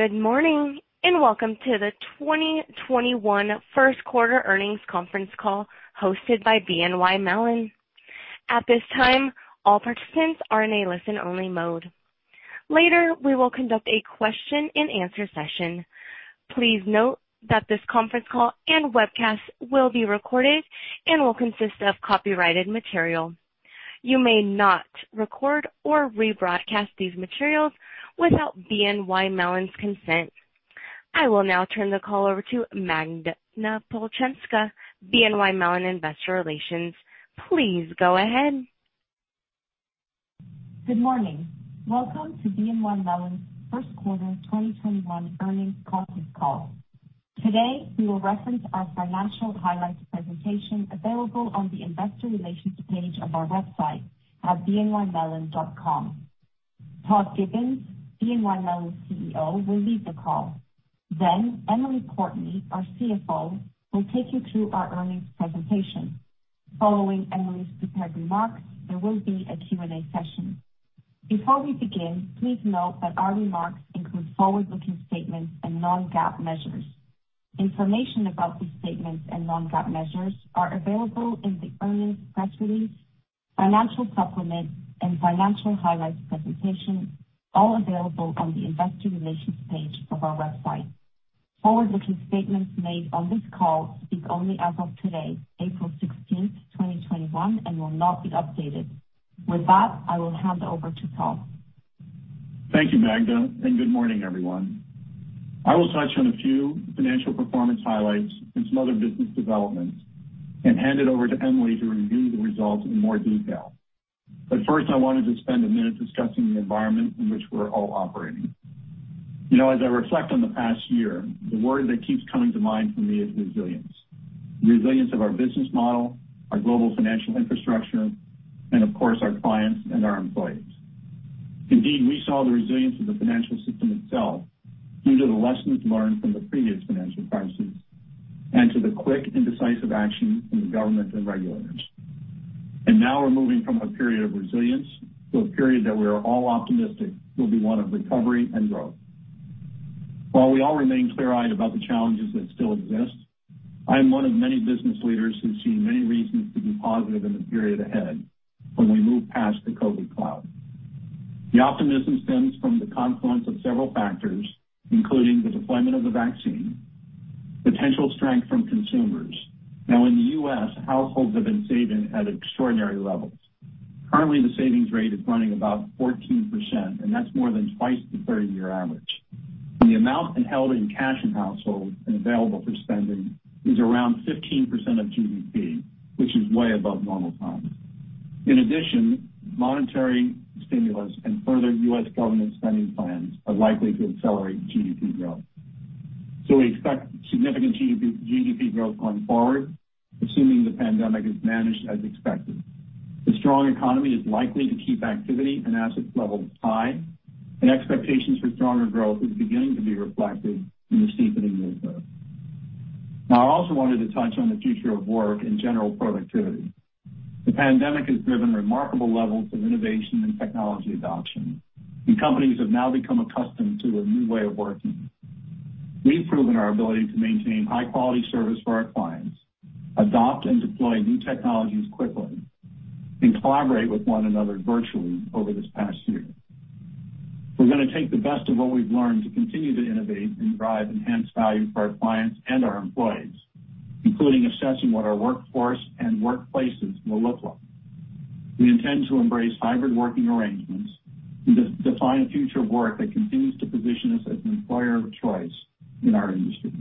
Good morning. Welcome to the 2021 first quarter earnings conference call hosted by BNY Mellon. At this time, all participants are in a listen-only mode. Later, we will conduct a question-and-answer session. Please note that this conference call and webcast will be recorded and will consist of copyrighted material. You may not record or rebroadcast these materials without BNY Mellon's consent. I will now turn the call over to Magda Palczynska, BNY Mellon Investor Relations. Please go ahead. Good morning. Welcome to BNY Mellon's first quarter 2021 earnings conference call. Today, we will reference our financial highlights presentation available on the investor relations page of our website at bnymellon.com. Todd Gibbons, BNY Mellon's CEO, will lead the call. Then Emily Portney, our CFO, will take you through our earnings presentation. Following Emily's prepared remarks, there will be a Q&A session. Before we begin, please note that our remarks include forward-looking statements and non-GAAP measures. Information about these statements and non-GAAP measures are available in the earnings press release, financial supplement, and financial highlights presentation, all available on the investor relations page of our website. Forward-looking statements made on this call speak only as of today, April 16th, 2021, and will not be updated. With that, I will hand it over to Todd. Thank you, Magda. Good morning, everyone. I will touch on a few financial performance highlights and some other business developments and hand it over to Emily to review the results in more detail. First, I wanted to spend a minute discussing the environment in which we're all operating. As I reflect on the past year, the word that keeps coming to mind for me is resilience. Resilience of our business model, our global financial infrastructure, and of course, our clients and our employees. Indeed, we saw the resilience of the financial system itself due to the lessons learned from the previous financial crisis and to the quick and decisive action from the government and regulators. Now we're moving from a period of resilience to a period that we are all optimistic will be one of recovery and growth. While we all remain clear-eyed about the challenges that still exist, I am one of many business leaders who's seen many reasons to be positive in the period ahead when we move past the COVID cloud. The optimism stems from the confluence of several factors, including the deployment of the vaccine, potential strength from consumers. Now in the U.S., households have been saving at extraordinary levels. Currently, the savings rate is running about 14%, and that's more than twice the 30-year average. The amount held in cash in households and available for spending is around 15% of GDP, which is way above normal times. In addition, monetary stimulus and further U.S. government spending plans are likely to accelerate GDP growth. We expect significant GDP growth going forward, assuming the pandemic is managed as expected. The strong economy is likely to keep activity and assets levels high, and expectations for stronger growth is beginning to be reflected in the steepening yield curve. I also wanted to touch on the future of work and general productivity. The pandemic has driven remarkable levels of innovation and technology adoption. Companies have now become accustomed to a new way of working. We've proven our ability to maintain high-quality service for our clients, adopt and deploy new technologies quickly, and collaborate with one another virtually over this past year. We're going to take the best of what we've learned to continue to innovate and drive enhanced value for our clients and our employees, including assessing what our workforce and workplaces will look like. We intend to embrace hybrid working arrangements and define a future of work that continues to position us as an employer of choice in our industry.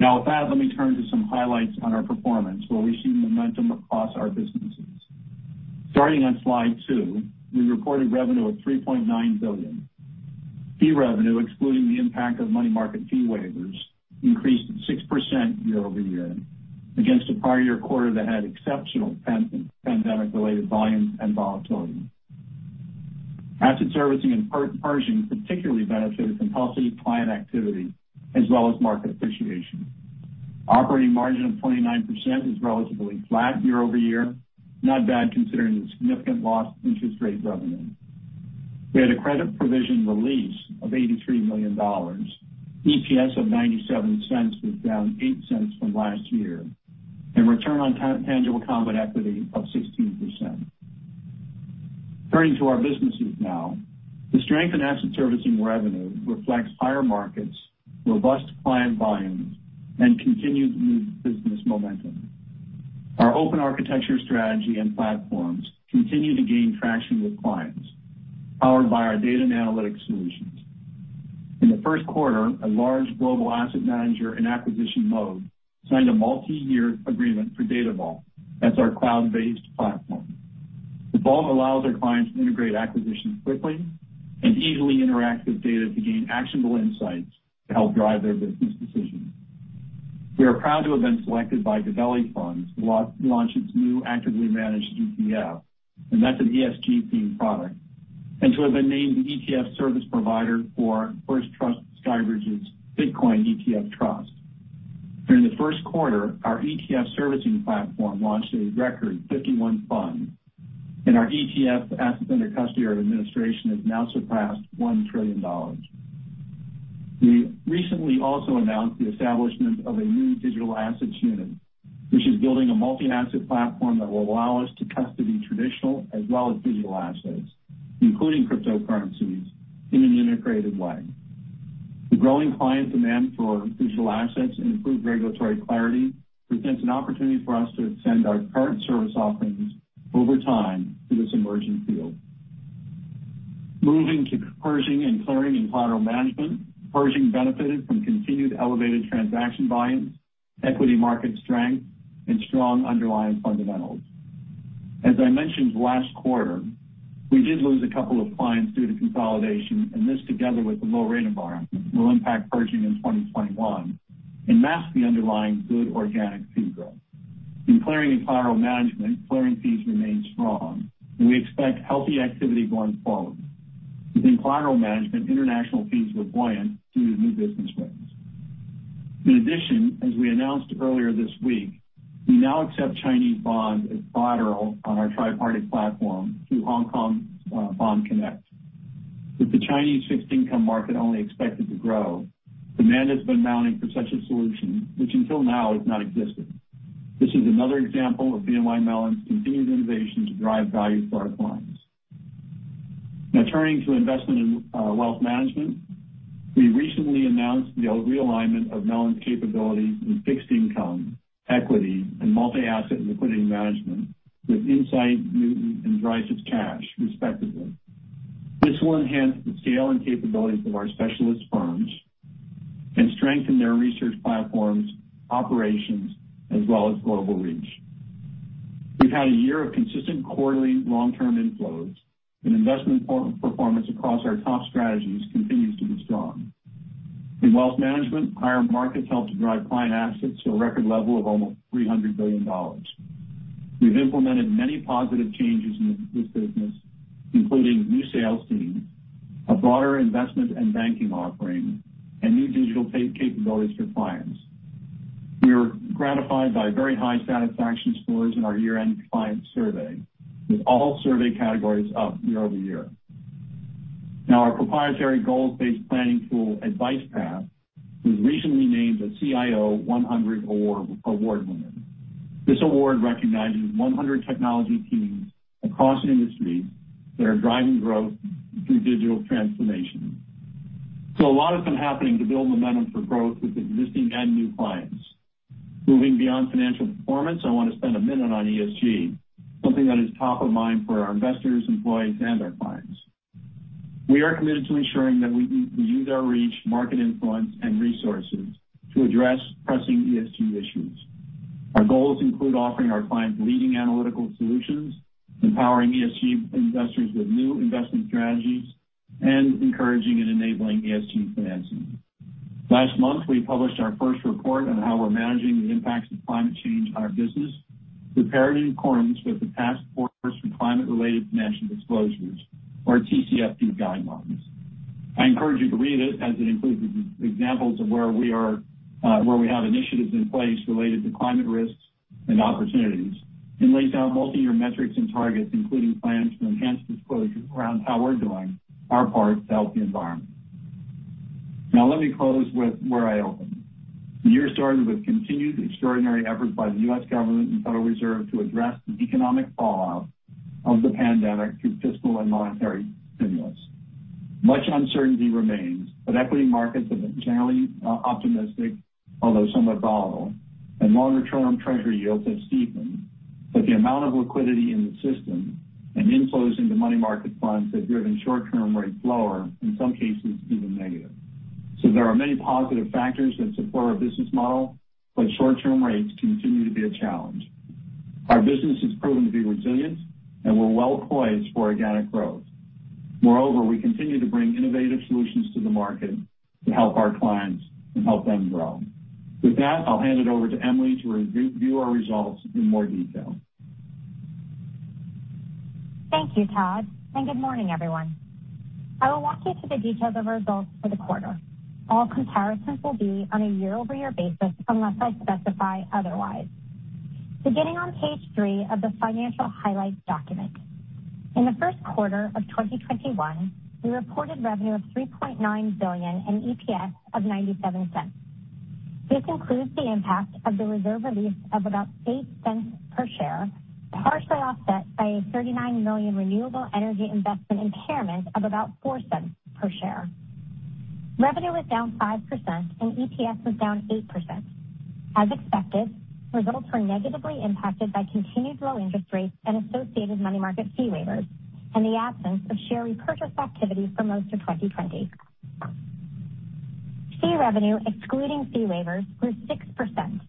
With that, let me turn to some highlights on our performance where we're seeing momentum across our businesses. Starting on slide two, we reported revenue of $3.9 billion. Fee revenue, excluding the impact of money market fee waivers, increased 6% year-over-year against a prior year quarter that had exceptional pandemic-related volumes and volatility. Asset Servicing and Pershing particularly benefited from healthy client activity as well as market appreciation. Operating margin of 29% is relatively flat year-over-year, not bad considering the significant loss in interest rate revenue. We had a credit provision release of $83 million. EPS of $0.97 was down $0.08 from last year, and return on tangible common equity of 16%. Turning to our businesses now. The strength in asset servicing revenue reflects higher markets, robust client volumes, and continued new business momentum. Our open architecture strategy and platforms continue to gain traction with clients, powered by our data and analytics solutions. In the first quarter, a large global asset manager in acquisition mode signed a multi-year agreement for Data Vault. That's our cloud-based platform. The Vault allows our clients to integrate acquisitions quickly and easily interact with data to gain actionable insights to help drive their business decisions. We are proud to have been selected by Vivaldi Funds to launch its new actively managed ETF, and that's an ESG-themed product. To have been named the ETF service provider for First Trust SkyBridge's Bitcoin ETF Trust. During the first quarter, our ETF servicing platform launched a record 51 funds, and our ETF asset under custody or administration has now surpassed $1 trillion. We recently also announced the establishment of a new digital assets unit, which is building a multi-asset platform that will allow us to custody traditional as well as digital assets, including cryptocurrencies, in an integrated way. The growing client demand for digital assets and improved regulatory clarity presents an opportunity for us to extend our current service offerings over time to this emerging field. Moving to Pershing and clearing and collateral management. Pershing benefited from continued elevated transaction volumes, equity market strength, and strong underlying fundamentals. As I mentioned last quarter, we did lose a couple of clients due to consolidation, and this together with the low rate environment, will impact Pershing in 2021 and mask the underlying good organic fee growth. In clearing and collateral management, clearing fees remained strong, and we expect healthy activity going forward. Within collateral management, international fees were buoyant due to new business wins. In addition, as we announced earlier this week, we now accept Chinese bonds as collateral on our tri-party platform through Hong Kong Bond Connect. With the Chinese fixed income market only expected to grow, demand has been mounting for such a solution, which until now has not existed. This is another example of BNY Mellon's continued innovation to drive value for our clients. Now turning to investment in wealth management. We recently announced the realignment of Mellon's capabilities in fixed income, equity, and multi-asset and liquidity management with Insight, Newton, and Dreyfus Cash, respectively. This will enhance the scale and capabilities of our specialist firms and strengthen their research platforms, operations, as well as global reach. We've had a year of consistent quarterly long-term inflows, and investment performance across our top strategies continues to be strong. In wealth management, higher markets helped to drive client assets to a record level of almost $300 billion. We've implemented many positive changes in this business, including new sales teams, a broader investment and banking offering, and new digital capabilities for clients. We were gratified by very high satisfaction scores in our year-end client survey, with all survey categories up year-over-year. Our proprietary goals-based planning tool, AdvicePath, was recently named a CIO100 award winner. This award recognizes 100 technology teams across an industry that are driving growth through digital transformation. A lot has been happening to build momentum for growth with existing and new clients. Moving beyond financial performance, I want to spend a minute on ESG, something that is top of mind for our investors, employees, and our clients. We are committed to ensuring that we use our reach, market influence, and resources to address pressing ESG issues. Our goals include offering our clients leading analytical solutions, empowering ESG investors with new investment strategies, and encouraging and enabling ESG financing. Last month, we published our first report on how we're managing the impacts of climate change on our business, prepared in accordance with the Task Force on Climate-related Financial Disclosures or TCFD guidelines. I encourage you to read it, as it includes examples of where we have initiatives in place related to climate risks and opportunities, and lays out multi-year metrics and targets, including plans to enhance disclosures around how we're doing our part to help the environment. Let me close with where I opened. The year started with continued extraordinary efforts by the U.S. government and Federal Reserve to address the economic fallout of the pandemic through fiscal and monetary stimulus. Much uncertainty remains. Equity markets have been generally optimistic, although somewhat volatile, and longer-term treasury yields have steepened. The amount of liquidity in the system and inflows into money market funds have driven short-term rates lower, in some cases even negative. There are many positive factors that support our business model, but short-term rates continue to be a challenge. Our business has proven to be resilient, and we're well poised for organic growth. Moreover, we continue to bring innovative solutions to the market to help our clients and help them grow. With that, I'll hand it over to Emily to review our results in more detail. Thank you, Todd, and good morning, everyone. I will walk you through the details of results for the quarter. All comparisons will be on a year-over-year basis unless I specify otherwise. Beginning on page three of the financial highlights document. In the first quarter of 2021, we reported revenue of $3.9 billion and EPS of $0.97. This includes the impact of the reserve release of about $0.08 per share, partially offset by a $39 million renewable energy investment impairment of about $0.04 per share. Revenue was down 5% and EPS was down 8%. As expected, results were negatively impacted by continued low interest rates and associated money market fee waivers, and the absence of share repurchase activity for most of 2020. Fee revenue, excluding fee waivers, grew 6%,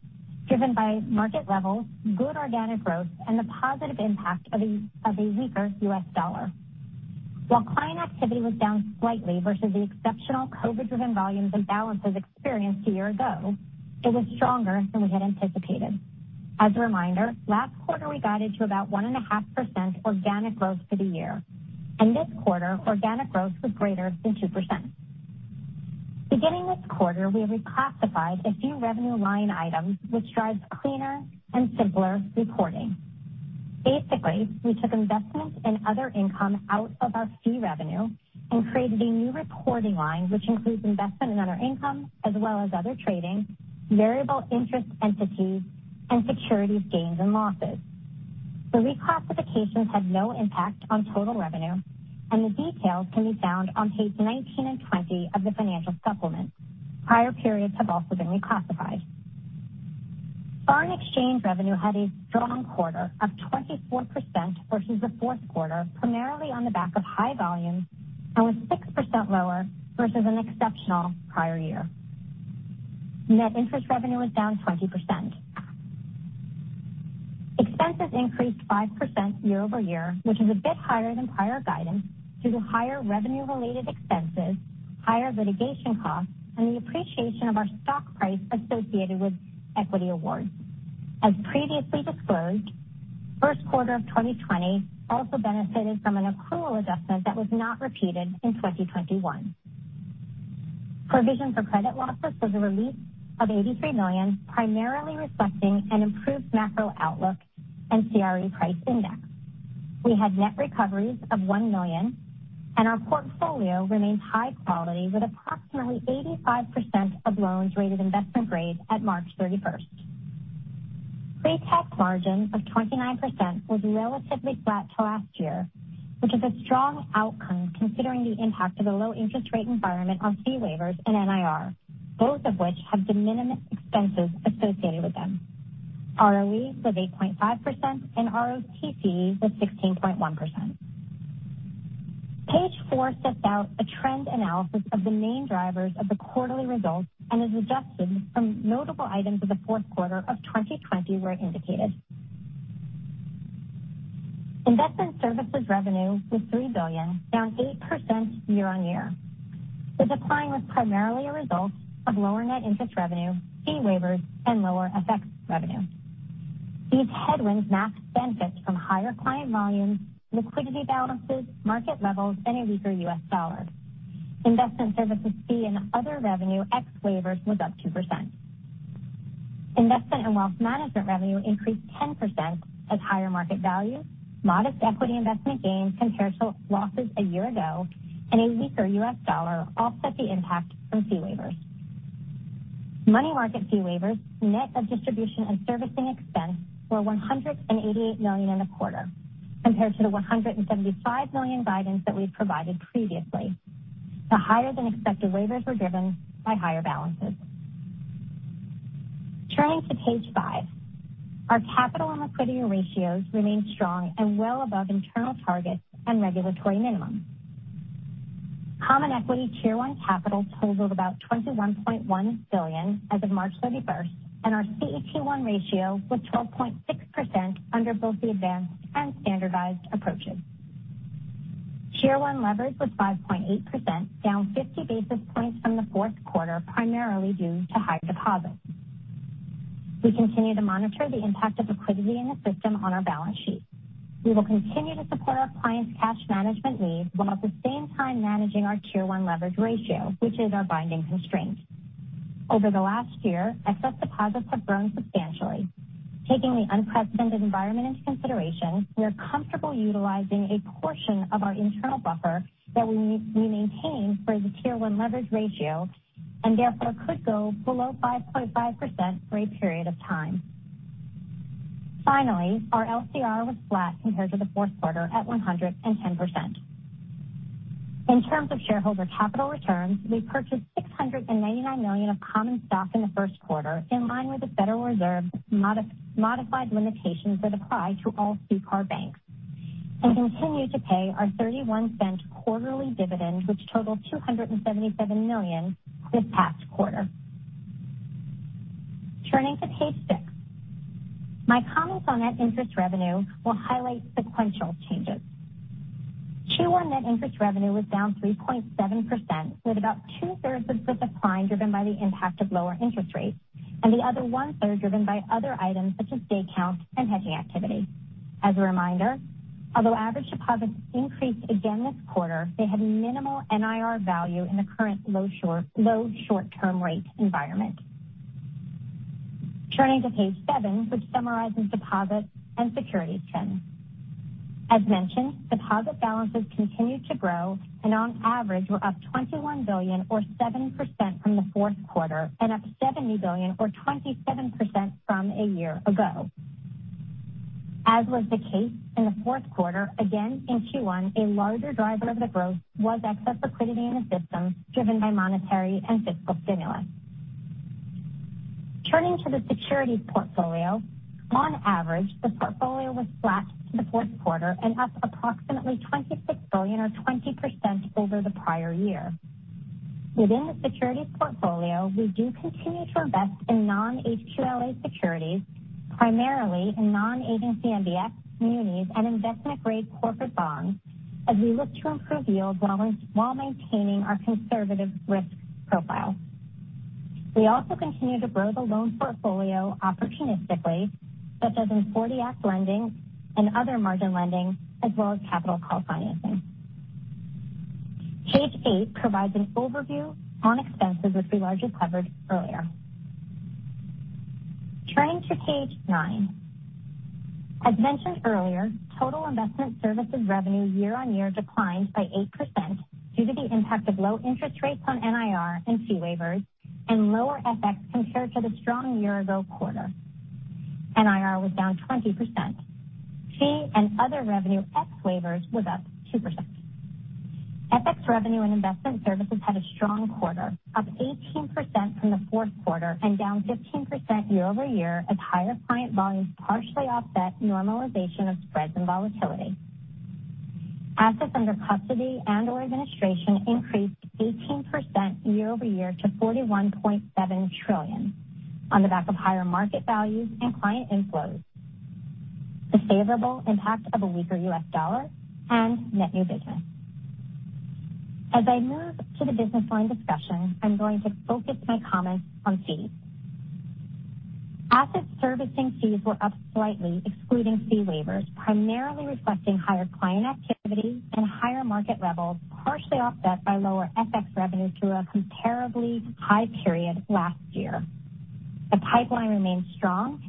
driven by market levels, good organic growth, and the positive impact of a weaker U.S. dollar. While client activity was down slightly versus the exceptional COVID-driven volumes and balances experienced a year ago, it was stronger than we had anticipated. As a reminder, last quarter we guided to about 1.5% organic growth for the year. In this quarter, organic growth was greater than 2%. Beginning this quarter, we have reclassified a few revenue line items which drives cleaner and simpler reporting. Basically, we took investment and other income out of our fee revenue and created a new reporting line which includes investment and other income, as well as other trading, variable interest entities, and securities gains and losses. The reclassifications had no impact on total revenue, and the details can be found on page 19 and 20 of the financial supplement. Prior periods have also been reclassified. Foreign exchange revenue had a strong quarter of 24% versus the fourth quarter, primarily on the back of high volumes, and was 6% lower versus an exceptional prior year. Net interest revenue was down 20%. Expenses increased 5% year-over-year, which is a bit higher than prior guidance due to higher revenue-related expenses, higher litigation costs, and the appreciation of our stock price associated with equity awards. As previously disclosed, first quarter of 2020 also benefited from an accrual adjustment that was not repeated in 2021. Provision for credit losses was a release of $83 million, primarily reflecting an improved macro outlook and CRE price index. We had net recoveries of $1 million, and our portfolio remains high quality with approximately 85% of loans rated investment grade at March 31st. Pre-tax margin of 29% was relatively flat to last year, which is a strong outcome considering the impact of the low interest rate environment on fee waivers and NIR, both of which have de minimis expenses associated with them. ROE was 8.5% and ROTCE was 16.1%. Page four sets out a trend analysis of the main drivers of the quarterly results and is adjusted from notable items of the fourth quarter of 2020 where indicated. Investment services revenue was $3 billion, down 8% year-over-year. The decline was primarily a result of lower net interest revenue, fee waivers, and lower FX revenue. These headwinds masked benefits from higher client volumes, liquidity balances, market levels, and a weaker U.S. dollar. Investment services fee and other revenue ex waivers was up 2%. Investment and wealth management revenue increased 10% as higher market values, modest equity investment gains compared to losses a year ago, and a weaker US dollar offset the impact from fee waivers. Money market fee waivers, net of distribution and servicing expense, were $188 million in the quarter compared to the $175 million guidance that we provided previously. The higher than expected waivers were driven by higher balances. Turning to page five. Our capital and liquidity ratios remain strong and well above internal targets and regulatory minimums. Common equity Tier one capital totaled about $21.1 billion as of March 31st, and our CET1 ratio was 12.6% under both the advanced and standardized approaches. Tier one leverage was 5.8%, down 50 basis points from the fourth quarter, primarily due to higher deposits. We continue to monitor the impact of liquidity in the system on our balance sheet. We will continue to support our clients' cash management needs while at the same time managing our Tier 1 leverage ratio, which is our binding constraint. Over the last year, excess deposits have grown substantially. Taking the unprecedented environment into consideration, we are comfortable utilizing a portion of our internal buffer that we maintain for the Tier one leverage ratio, and therefore could go below 5.5% for a period of time. Finally, our LCR was flat compared to the fourth quarter at 110%. In terms of shareholder capital returns, we purchased $699 million of common stock in the first quarter, in line with the Federal Reserve's modified limitations that apply to all CCAR banks, and continue to pay our $0.31 quarterly dividend, which totaled $277 million this past quarter. Turning to page six. My comments on net interest revenue will highlight sequential changes. Q1 net interest revenue was down 3.7%, with about two-thirds of the decline driven by the impact of lower interest rates, and the other one-third driven by other items such as day count and hedging activity. As a reminder, although average deposits increased again this quarter, they had minimal NIR value in the current low short-term rate environment. Turning to page seven, which summarizes deposits and securities trends. As mentioned, deposit balances continued to grow and on average were up $21 billion or 7% from the fourth quarter and up $70 billion or 27% from a year ago. As was the case in the fourth quarter, again in Q1, a larger driver of the growth was excess liquidity in the system driven by monetary and fiscal stimulus. Turning to the securities portfolio. On average, the portfolio was flat to the fourth quarter and up approximately $26 billion or 20% over the prior year. Within the securities portfolio, we do continue to invest in non-HQLA securities, primarily in non-agency MBS, munis, and investment-grade corporate bonds, as we look to improve yields while maintaining our conservative risk profile. We also continue to grow the loan portfolio opportunistically, such as in 40 Act lending and other margin lending, as well as capital call financing. Page eight provides an overview on expenses, which we largely covered earlier. Turning to page nine. As mentioned earlier, total investment services revenue year-on-year declined by 8% due to the impact of low interest rates on NIR and fee waivers, and lower FX compared to the strong year ago quarter. NIR was down 20%. Fee and other revenue ex waivers was up 2%. FX revenue and investment services had a strong quarter, up 18% from the fourth quarter and down 15% year-over-year as higher client volumes partially offset normalization of spreads and volatility. Assets under custody and/or administration increased 18% year-over-year to $41.7 trillion on the back of higher market values and client inflows, the favorable impact of a weaker U.S. dollar, and net new business. As I move to the business line discussion, I'm going to focus my comments on fees. Asset servicing fees were up slightly, excluding fee waivers, primarily reflecting higher client activity and higher market levels partially offset by lower FX revenue to a comparably high period last year. The pipeline remains strong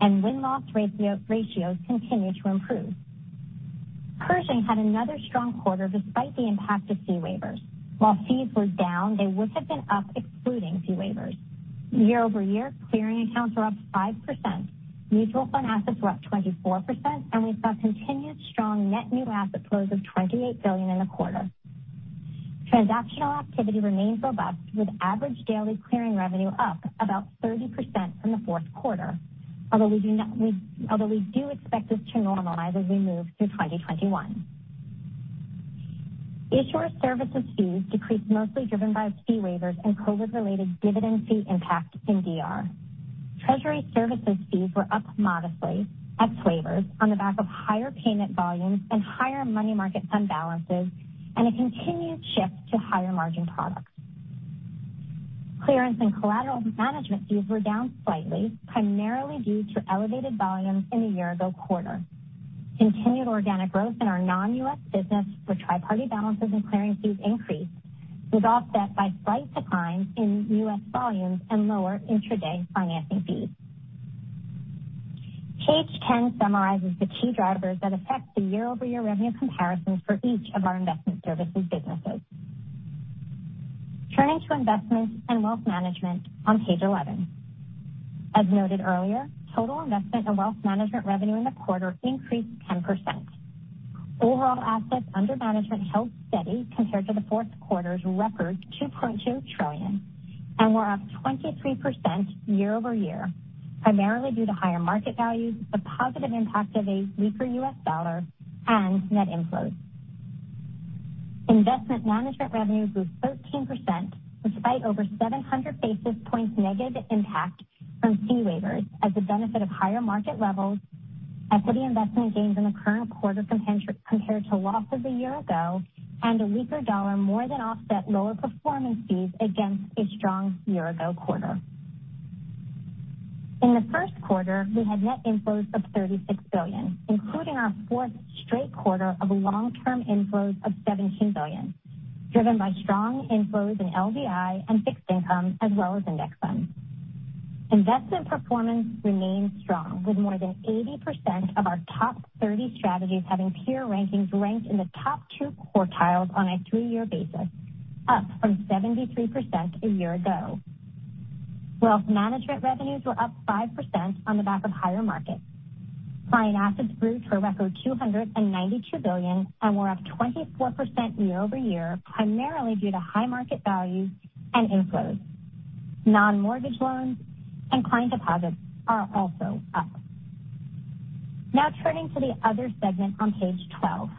and win-loss ratios continue to improve. Pershing had another strong quarter despite the impact of fee waivers. While fees were down, they would have been up excluding fee waivers. Year-over-year, clearing accounts were up 5%, mutual fund assets were up 24%, and we saw continued strong net new asset flows of $28 billion in the quarter. Transactional activity remains robust with average daily clearing revenue up about 30% from the fourth quarter, although we do expect this to normalize as we move through 2021. Issuer services fees decreased mostly driven by fee waivers and COVID-related dividend fee impact in DR. Treasury services fees were up modestly, ex waivers, on the back of higher payment volumes and higher money market fund balances, and a continued shift to higher margin products. Clearance and collateral management fees were down slightly, primarily due to elevated volumes in the year ago quarter. Continued organic growth in our non-U.S. business with tri-party balances and clearing fees increase was offset by slight declines in U.S. volumes and lower intraday financing fees. Page 10 summarizes the key drivers that affect the year-over-year revenue comparisons for each of our investment services businesses. Turning to investments and wealth management on page 11. As noted earlier, total investment and wealth management revenue in the quarter increased 10%. Overall assets under management held steady compared to the fourth quarter's record $2.2 trillion and were up 23% year-over-year, primarily due to higher market values, the positive impact of a weaker US dollar and net inflows. Investment management revenues grew 13%, despite over 700 basis points negative impact from fee waivers as the benefit of higher market levels, equity investment gains in the current quarter compared to losses a year ago, and a weaker dollar more than offset lower performance fees against a strong year ago quarter. In the first quarter, we had net inflows of $36 billion, including our fourth straight quarter of long-term inflows of $17 billion, driven by strong inflows in LDI and fixed income, as well as index funds. Investment performance remains strong, with more than 80% of our top 30 strategies having peer rankings ranked in the top two quartiles on a three-year basis, up from 73% a year ago. Wealth management revenues were up 5% on the back of higher markets. Client assets grew to a record $292 billion and were up 24% year-over-year, primarily due to high market values and inflows. Non-mortgage loans and client deposits are also up. Now turning to the other segment on page 12.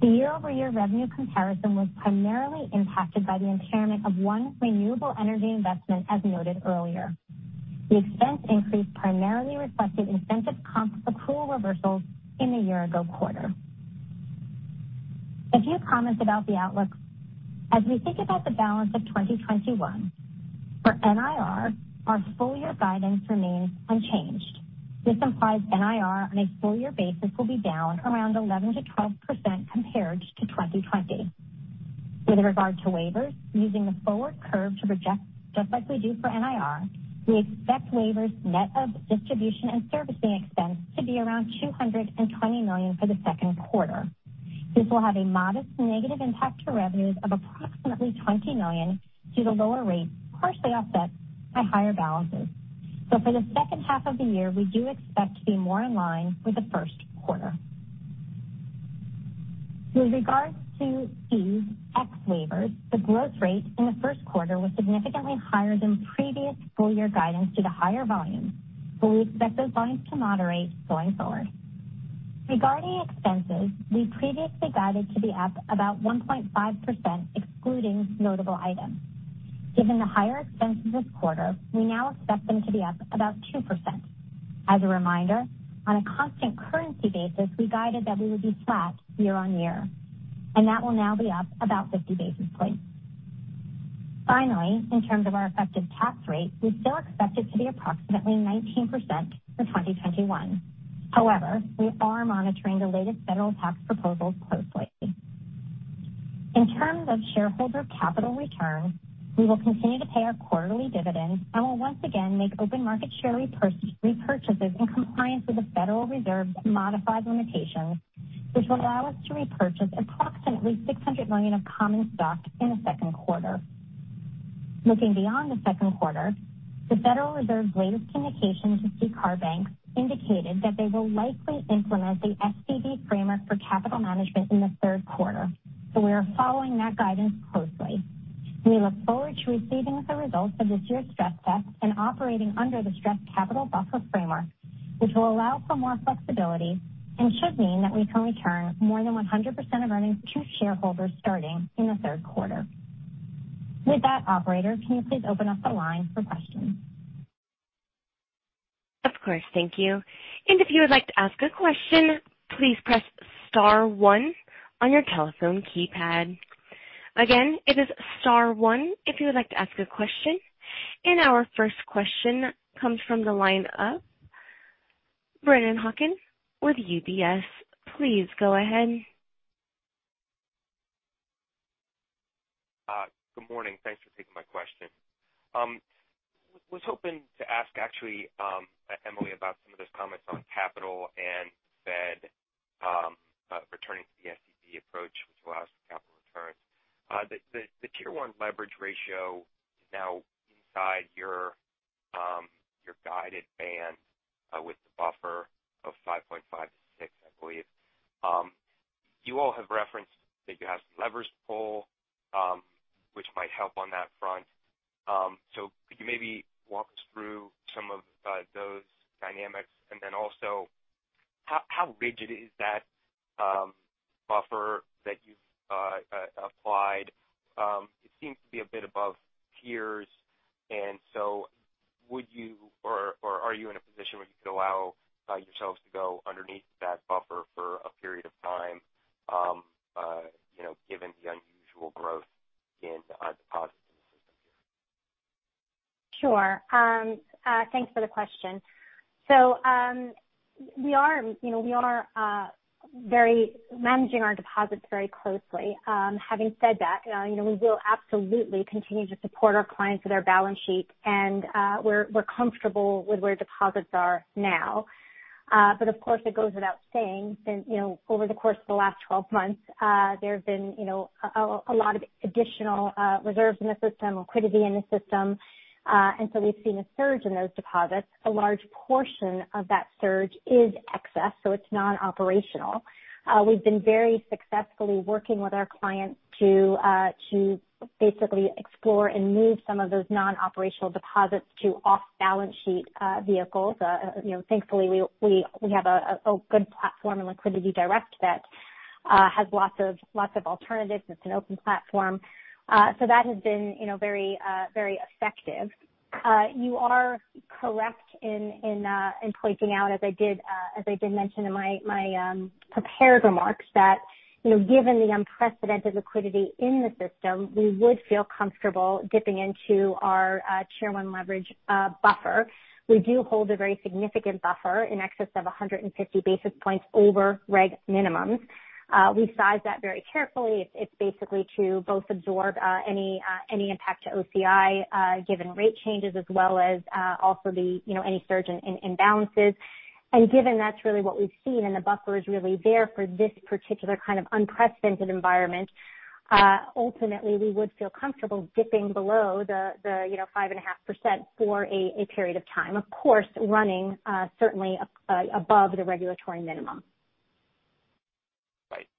The year-over-year revenue comparison was primarily impacted by the impairment of one renewable energy investment, as noted earlier. The expense increase primarily reflected incentive comp accrual reversals in the year ago quarter. A few comments about the outlook. As we think about the balance of 2021, for NIR, our full year guidance remains unchanged. This implies NIR on a full year basis will be down around 11%-12% compared to 2020. With regard to waivers, using the forward curve to project just like we do for NIR, we expect waivers net of distribution and servicing expense to be around $220 million for the second quarter. This will have a modest negative impact to revenues of approximately $20 million due to lower rates partially offset by higher balances. For the second half of the year, we do expect to be more in line with the first quarter. With regards to fees, ex-waivers, the growth rate in the first quarter was significantly higher than previous full year guidance due to higher volumes, but we expect those volumes to moderate going forward. Regarding expenses, we previously guided to be up about 1.5%, excluding notable items. Given the higher expenses this quarter, we now expect them to be up about 2%. As a reminder, on a constant currency basis, we guided that we would be flat year-on-year, and that will now be up about 50 basis points. In terms of our effective tax rate, we still expect it to be approximately 19% for 2021. We are monitoring the latest Federal tax proposals closely. In terms of shareholder capital return, we will continue to pay our quarterly dividend and will once again make open market share repurchases in compliance with the Federal Reserve's modified limitations, which will allow us to repurchase approximately $600 million of common stock in the second quarter. Looking beyond the second quarter, the Federal Reserve's latest communication to CCAR banks indicated that they will likely implement the SCB framework for capital management in the third quarter. We are following that guidance closely. We look forward to receiving the results of this year's stress test and operating under the stress capital buffer framework, which will allow for more flexibility and should mean that we can return more than 100% of earnings to shareholders starting in the third quarter. With that, operator, can you please open up the line for questions? Of course. Thank you. If you would like to ask a question, please press star one on your telephone keypad. Again, it is star one if you would like to ask a question. Our first question comes from the line of Brennan Hawken with UBS. Please go ahead. Good morning. Thanks for taking my question. Was hoping to ask actually, Emily, about some of those comments on capital and Fed returning to the SCB approach, which will allow some capital returns. The Tier one leverage ratio is now inside your guided band with the buffer of 5.56%, I believe. You all have referenced that you have some levers to pull which might help on that front. Could you maybe walk us through some of those dynamics? How rigid is that buffer that you've applied? It seems to be a bit above peers. Are you in a position where you could allow yourselves to go underneath that buffer for a period of time given the unusual growth in deposits in the system here? Sure. Thanks for the question. We are managing our deposits very closely. Having said that we will absolutely continue to support our clients with our balance sheet and we're comfortable with where deposits are now. Of course, it goes without saying since over the course of the last 12 months there have been a lot of additional reserves in the system, liquidity in the system, we've seen a surge in those deposits. A large portion of that surge is excess, so it's non-operational. We've been very successfully working with our clients to basically explore and move some of those non-operational deposits to off-balance sheet vehicles. Thankfully, we have a good platform in LiquidityDirect that has lots of alternatives, and it's an open platform. That has been very effective. You are correct in pointing out, as I did mention in my prepared remarks, that given the unprecedented liquidity in the system, we would feel comfortable dipping into our Tier 1 leverage buffer. We do hold a very significant buffer in excess of 150 basis points over reg minimums. We size that very carefully. It's basically to both absorb any impact to OCI given rate changes as well as also any surge in imbalances. Given that's really what we've seen and the buffer is really there for this particular kind of unprecedented environment, ultimately we would feel comfortable dipping below the 5.5% for a period of time. Of course, running certainly above the regulatory minimum.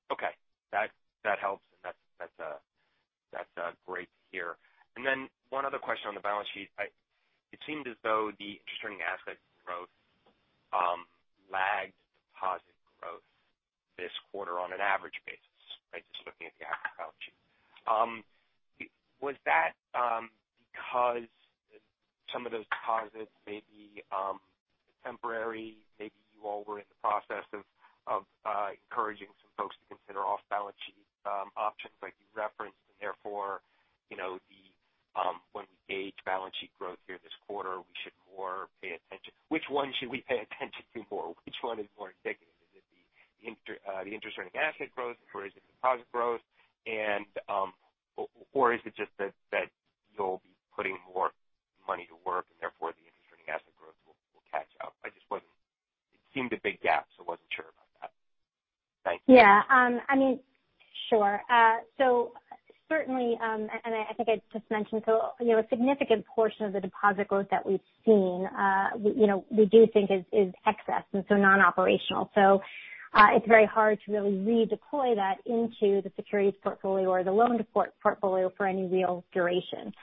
Right. Okay. That helps, and that's great to hear. One other question on the balance sheet. It seemed as though the interest earning assets growth lagged deposit growth this quarter on an average basis, just looking at the asset balance sheet. Was that because some of those deposits may be temporary? Maybe you all were in the process of encouraging some folks to consider off-balance sheet options like you referenced, and therefore when we gauge balance sheet growth here this quarter, which one should we pay attention to more? Which one is more indicative? Is it the interest earning asset growth, or is it the deposit growth? Is it just that you'll be putting more money to work and therefore the interest earning asset growth will catch up? It seemed a big gap, so I wasn't sure about that. Thanks. Yeah. Sure. Certainly, I think I just mentioned, a significant portion of the deposit growth that we've seen we do think is excess and so non-operational. It's very hard to really redeploy that into the securities portfolio or the loan portfolio for any real duration.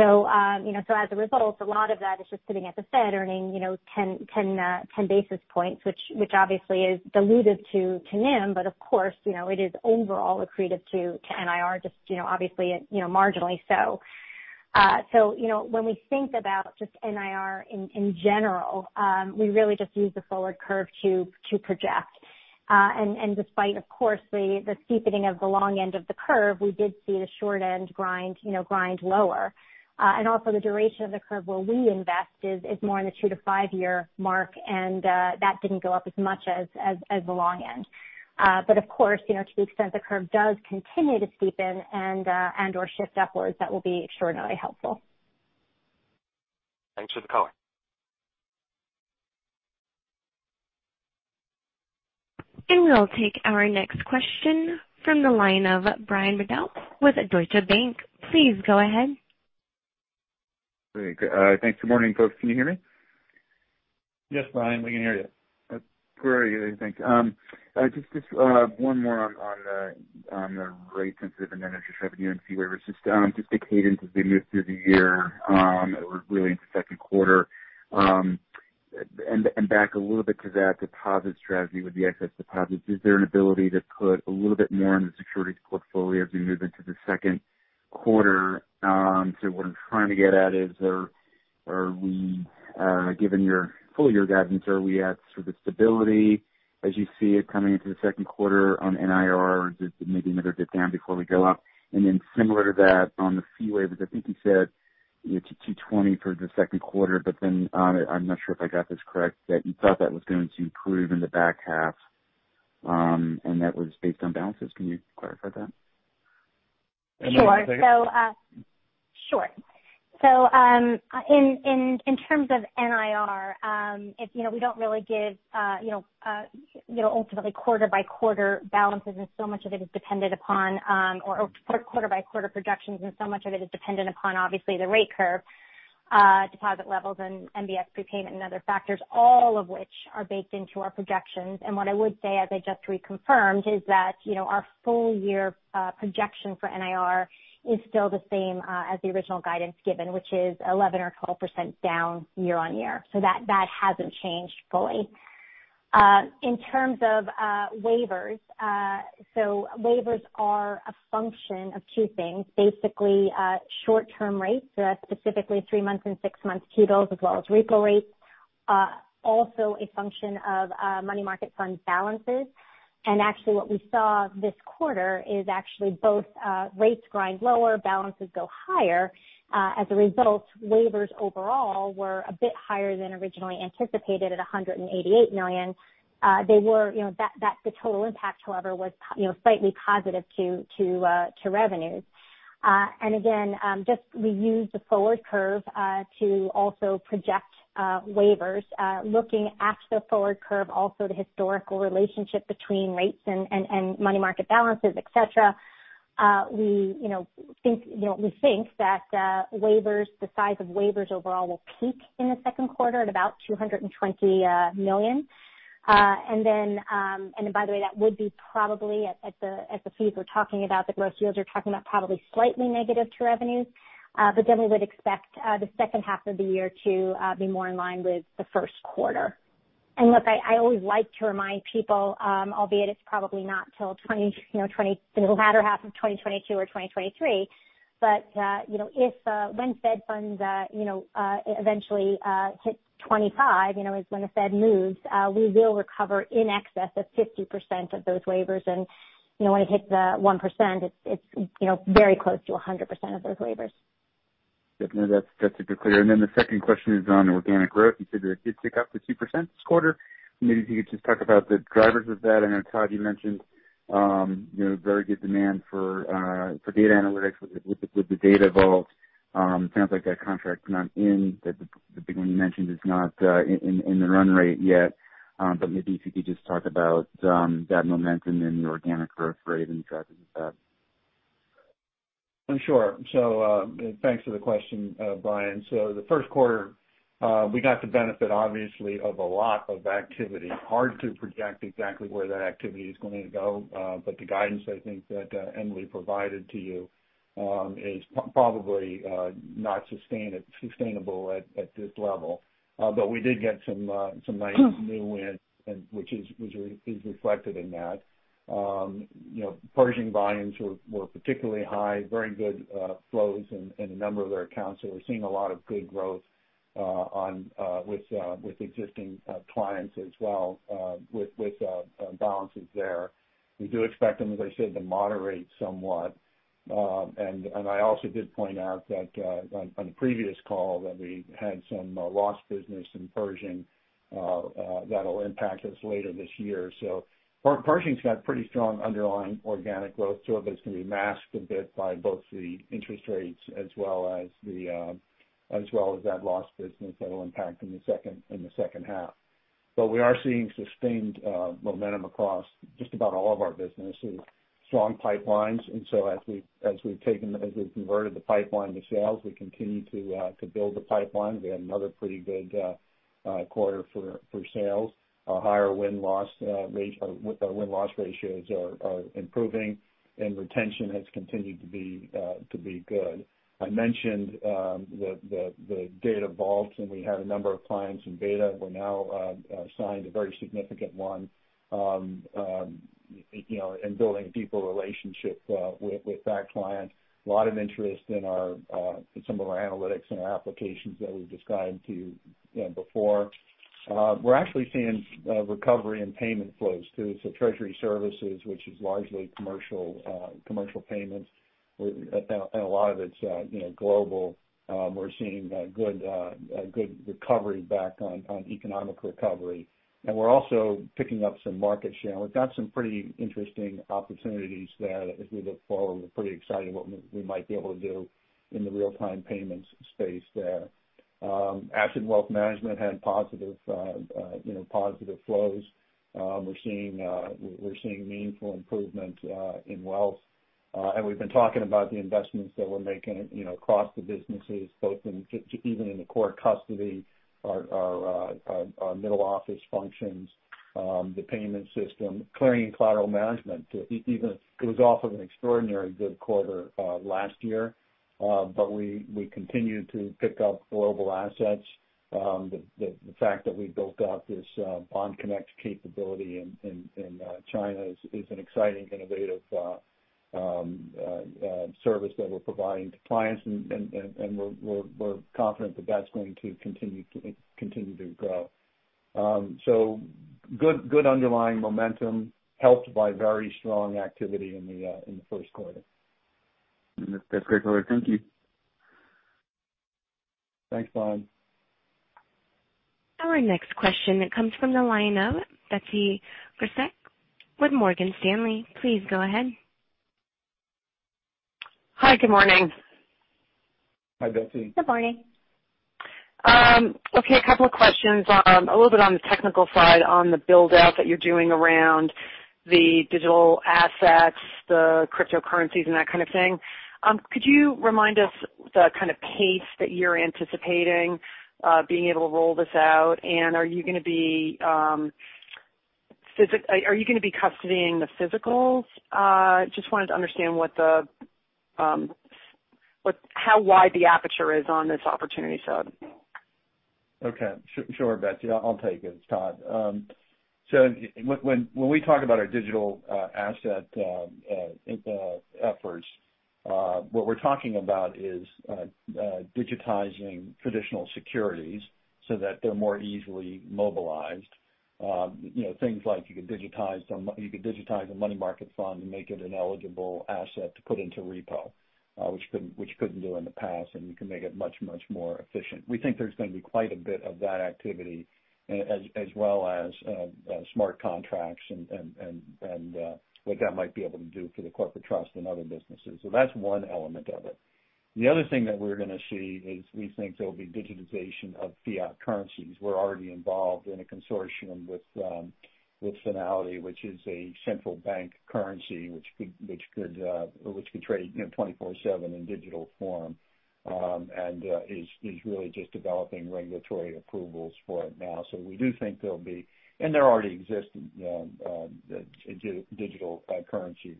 As a result, a lot of that is just sitting at the Fed earning 10 basis points, which obviously is dilutive to NIM, of course it is overall accretive to NIR, just obviously marginally so. When we think about just NIR in general, we really just use the forward curve to project. Despite, of course, the steepening of the long end of the curve, we did see the short end grind lower. Also the duration of the curve where we invest is more in the two to five-year mark, and that didn't go up as much as the long end. Of course, to the extent the curve does continue to steepen and/or shift upwards, that will be extraordinarily helpful. Thanks for the color. We'll take our next question from the line of Brian Bedell with Deutsche Bank. Please go ahead. Great. Thanks. Good morning, folks. Can you hear me? Yes, Brian, we can hear you. Great. Thank you. Just one more on the rate-sensitive net interest revenue and fee waivers. Just the cadence as we move through the year or really into second quarter. Back a little bit to that deposit strategy with the excess deposits, is there an ability to put a little bit more in the securities portfolio as we move into the second quarter? What I'm trying to get at is, given your full-year guidance, are we at sort of stability as you see it coming into the second quarter on NIR, or is it maybe another dip down before we go up? Similar to that on the fee waivers, I think you said to $220 million for the second quarter, I'm not sure if I got this correct, that you thought that was going to improve in the back half. That was based on balances. Can you clarify that? Sure. In terms of NIR, we don't really give ultimately quarter-by-quarter balances, and so much of it is dependent upon or quarter-by-quarter projections, and so much of it is dependent upon, obviously, the rate curve, deposit levels, and MBS prepayment and other factors, all of which are baked into our projections. What I would say, as I just reconfirmed, is that our full-year projection for NIR is still the same as the original guidance given, which is 11% or 12% down year-on-year. That hasn't changed fully. In terms of waivers are a function of two things. Basically, short-term rates. That's specifically three months and six months T-bills as well as repo rates. Also a function of money market fund balances. Actually, what we saw this quarter is actually both rates grind lower, balances go higher. As a result, waivers overall were a bit higher than originally anticipated at $188 million. The total impact, however, was slightly positive to revenues. Again, just we use the forward curve to also project waivers. Looking at the forward curve, also the historical relationship between rates and money market balances, et cetera, we think that the size of waivers overall will peak in the second quarter at about $220 million. By the way, that would be probably at the fees we're talking about, the gross yields we're talking about, probably slightly negative to revenues. We would expect the second half of the year to be more in line with the first quarter. Look, I always like to remind people, albeit it's probably not till the latter half of 2022 or 2023. When Fed funds eventually hit 25 basis points, is when the Fed moves, we will recover in excess of 50% of those waivers. When it hits 1%, it's very close to 100% of those waivers. Definitely. That's super clear. The second question is on organic growth. You said that it did tick up to 2% this quarter. Maybe if you could just talk about the drivers of that. I know Todd, you mentioned very good demand for data analytics with the Data Vault. It sounds like that contract is not in, the big one you mentioned is not in the run rate yet. Maybe if you could just talk about that momentum in the organic growth rate and drivers of that. Sure. Thanks for the question, Brian. The first quarter, we got the benefit, obviously, of a lot of activity. Hard to project exactly where that activity is going to go. The guidance I think that Emily provided to you is probably not sustainable at this level. We did get some nice new wins which is reflected in that. Pershing volumes were particularly high, very good flows in a number of their accounts. We're seeing a lot of good growth with existing clients as well with balances there. We do expect them, as I said, to moderate somewhat. I also did point out that on the previous call that we had some lost business in Pershing that'll impact us later this year. Pershing's got pretty strong underlying organic growth too, but it's going to be masked a bit by both the interest rates as well as that lost business that'll impact in the second half. We are seeing sustained momentum across just about all of our business. We have strong pipelines, and so as we've converted the pipeline to sales, we continue to build the pipeline. We had another pretty good quarter for sales. A higher win-loss ratios are improving, and retention has continued to be good. I mentioned the Data Vault, and we had a number of clients in beta. We now signed a very significant one, and building deeper relationships with that client. A lot of interest in some of our analytics and our applications that we've described to you before. We're actually seeing recovery in payment flows, too. Treasury Services, which is largely commercial payments, and a lot of it's global. We're seeing a good recovery back on economic recovery. We're also picking up some market share. We've got some pretty interesting opportunities there as we look forward. We're pretty excited what we might be able to do in the real-time payments space there. Asset Wealth Management had positive flows. We're seeing meaningful improvement in wealth. We've been talking about the investments that we're making across the businesses, both even in the core custody, our middle office functions, the payment system. Clearing and collateral management, it was off of an extraordinarily good quarter last year, but we continue to pick up global assets. The fact that we built out this Bond Connect capability in China is an exciting, innovative service that we're providing to clients, and we're confident that that's going to continue to grow. Good underlying momentum helped by very strong activity in the first quarter. That's great, Todd. Thank you. Thanks, Todd. Our next question comes from the line of Betsy Graseck with Morgan Stanley. Please go ahead. Hi, good morning. Hi, Betsy. Good morning. Okay, a couple of questions. A little bit on the technical side on the build-out that you're doing around the digital assets, the cryptocurrencies, and that kind of thing. Could you remind us the kind of pace that you're anticipating being able to roll this out, and are you going to be custodying the physicals? Just wanted to understand how wide the aperture is on this opportunity set. Okay. Sure, Betsy. I'll take it. It's Todd. When we talk about our digital asset efforts, what we're talking about is digitizing traditional securities so that they're more easily mobilized. Things like you could digitize a money market fund and make it an eligible asset to put into repo, which you couldn't do in the past, and you can make it much, much more efficient. We think there's going to be quite a bit of that activity as well as smart contracts and what that might be able to do for the corporate trust and other businesses. That's one element of it. The other thing that we're going to see is we think there'll be digitization of fiat currencies. We're already involved in a consortium with Fnality, which is a central bank currency, which could trade 24/7 in digital form, and is really just developing regulatory approvals for it now. We do think there'll be-- and there already exist digital currencies,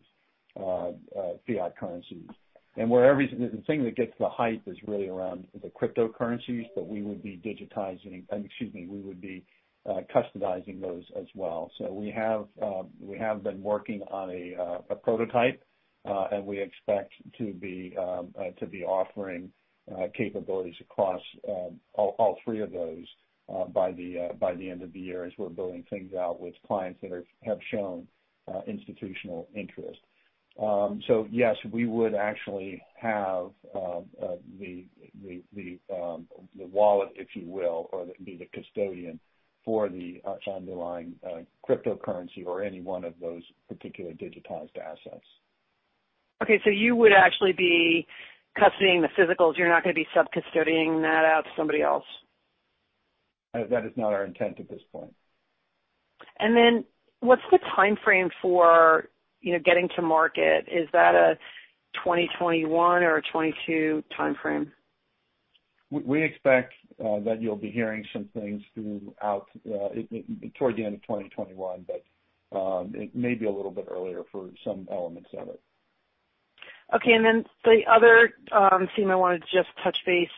fiat currencies. The thing that gets the hype is really around the cryptocurrencies that we would be customizing those as well. We have been working on a prototype, and we expect to be offering capabilities across all three of those by the end of the year as we're building things out with clients that have shown institutional interest. Yes, we would actually have the wallet, if you will, or be the custodian for the underlying cryptocurrency or any one of those particular digitized assets. You would actually be custodying the physicals. You're not going to be sub-custodying that out to somebody else. That is not our intent at this point. Then what's the timeframe for getting to market? Is that a 2021 or a 2022 timeframe? We expect that you'll be hearing some things throughout toward the end of 2021, but it may be a little bit earlier for some elements of it. The other theme I wanted to just touch base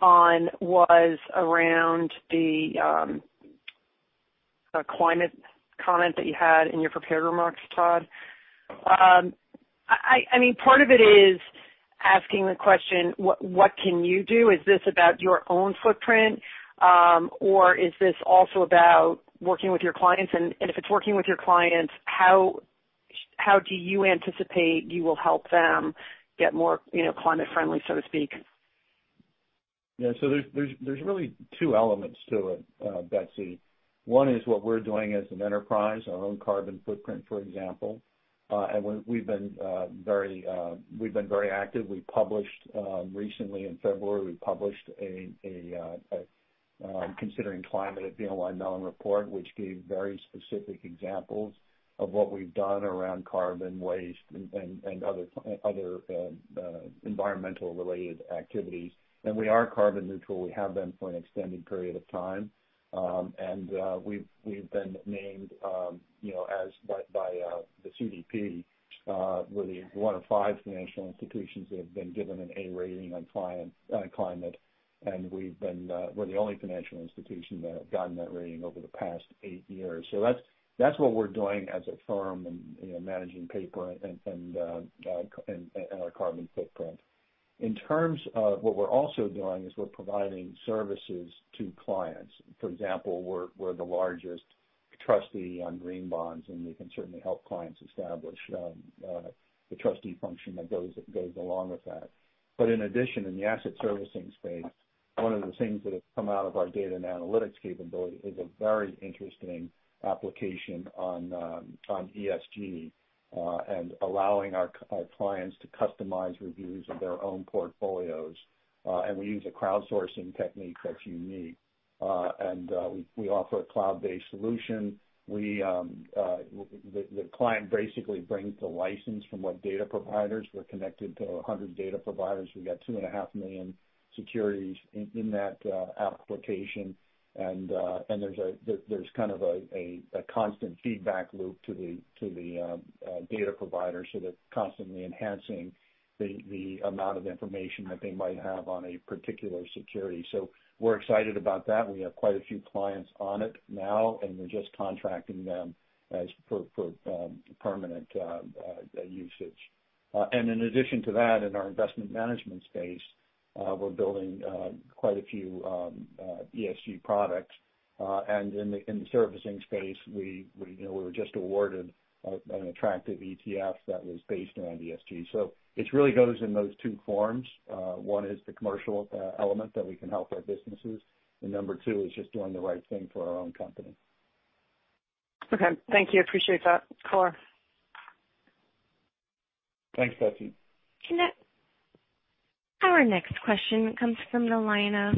on was around the climate comment that you had in your prepared remarks, Todd. Part of it is asking the question, what can you do? Is this about your own footprint? Is this also about working with your clients? If it's working with your clients, how do you anticipate you will help them get more climate friendly, so to speak? There's really two elements to it, Betsy. One is what we're doing as an enterprise, our own carbon footprint, for example. We've been very active. We published recently in February, we published a Considering Climate at BNY Mellon report, which gave very specific examples of what we've done around carbon waste and other environmental related activities. We are carbon neutral. We have been for an extended period of time. We've been named by the CDP, we're the one of five financial institutions that have been given an A rating on climate. We're the only financial institution that have gotten that rating over the past eight years. That's what we're doing as a firm and managing paper and our carbon footprint. In terms of what we're also doing is we're providing services to clients. For example, we're the largest trustee on green bonds, and we can certainly help clients establish the trustee function that goes along with that. In addition, in the asset servicing space, one of the things that has come out of our data and analytics capability is a very interesting application on ESG, and allowing our clients to customize reviews of their own portfolios. We use a crowdsourcing technique that's unique. We offer a cloud-based solution. The client basically brings the license from what data providers. We're connected to 100 data providers. We got two and a half million securities in that application. There's kind of a constant feedback loop to the data provider, so they're constantly enhancing the amount of information that they might have on a particular security. We're excited about that, and we have quite a few clients on it now, and we're just contracting them for permanent usage. In addition to that, in our investment management space, we're building quite a few ESG products. In the servicing space, we were just awarded an attractive ETF that was based around ESG. It really goes in those two forms. One is the commercial element that we can help our businesses, and number two is just doing the right thing for our own company. Okay. Thank you. Appreciate that, Todd. Thanks, Betsy. Our next question comes from the line of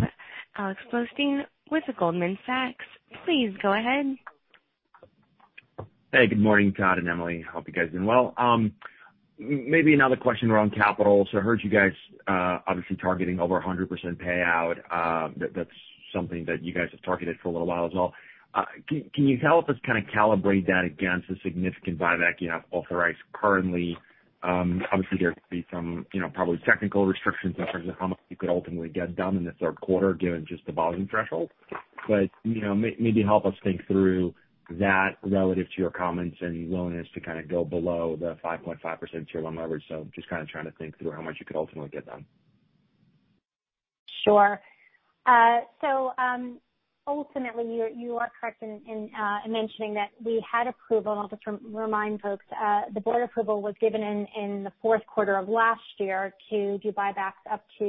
Alex Blostein with Goldman Sachs. Please go ahead. Hey, good morning, Todd and Emily. Hope you guys are doing well. Maybe another question around capital. I heard you guys obviously targeting over 100% payout. That's something that you guys have targeted for a little while as well. Can you help us kind of calibrate that against the significant buyback you have authorized currently? Obviously there could be some probably technical restrictions in terms of how much you could ultimately get done in the third quarter, given just the volume threshold. Maybe help us think through that relative to your comments and willingness to kind of go below the 5.5% tier one leverage. Just kind of trying to think through how much you could ultimately get done. Ultimately, you are correct in mentioning that we had approval. I'll just remind folks, the board approval was given in the fourth quarter of last year to do buybacks up to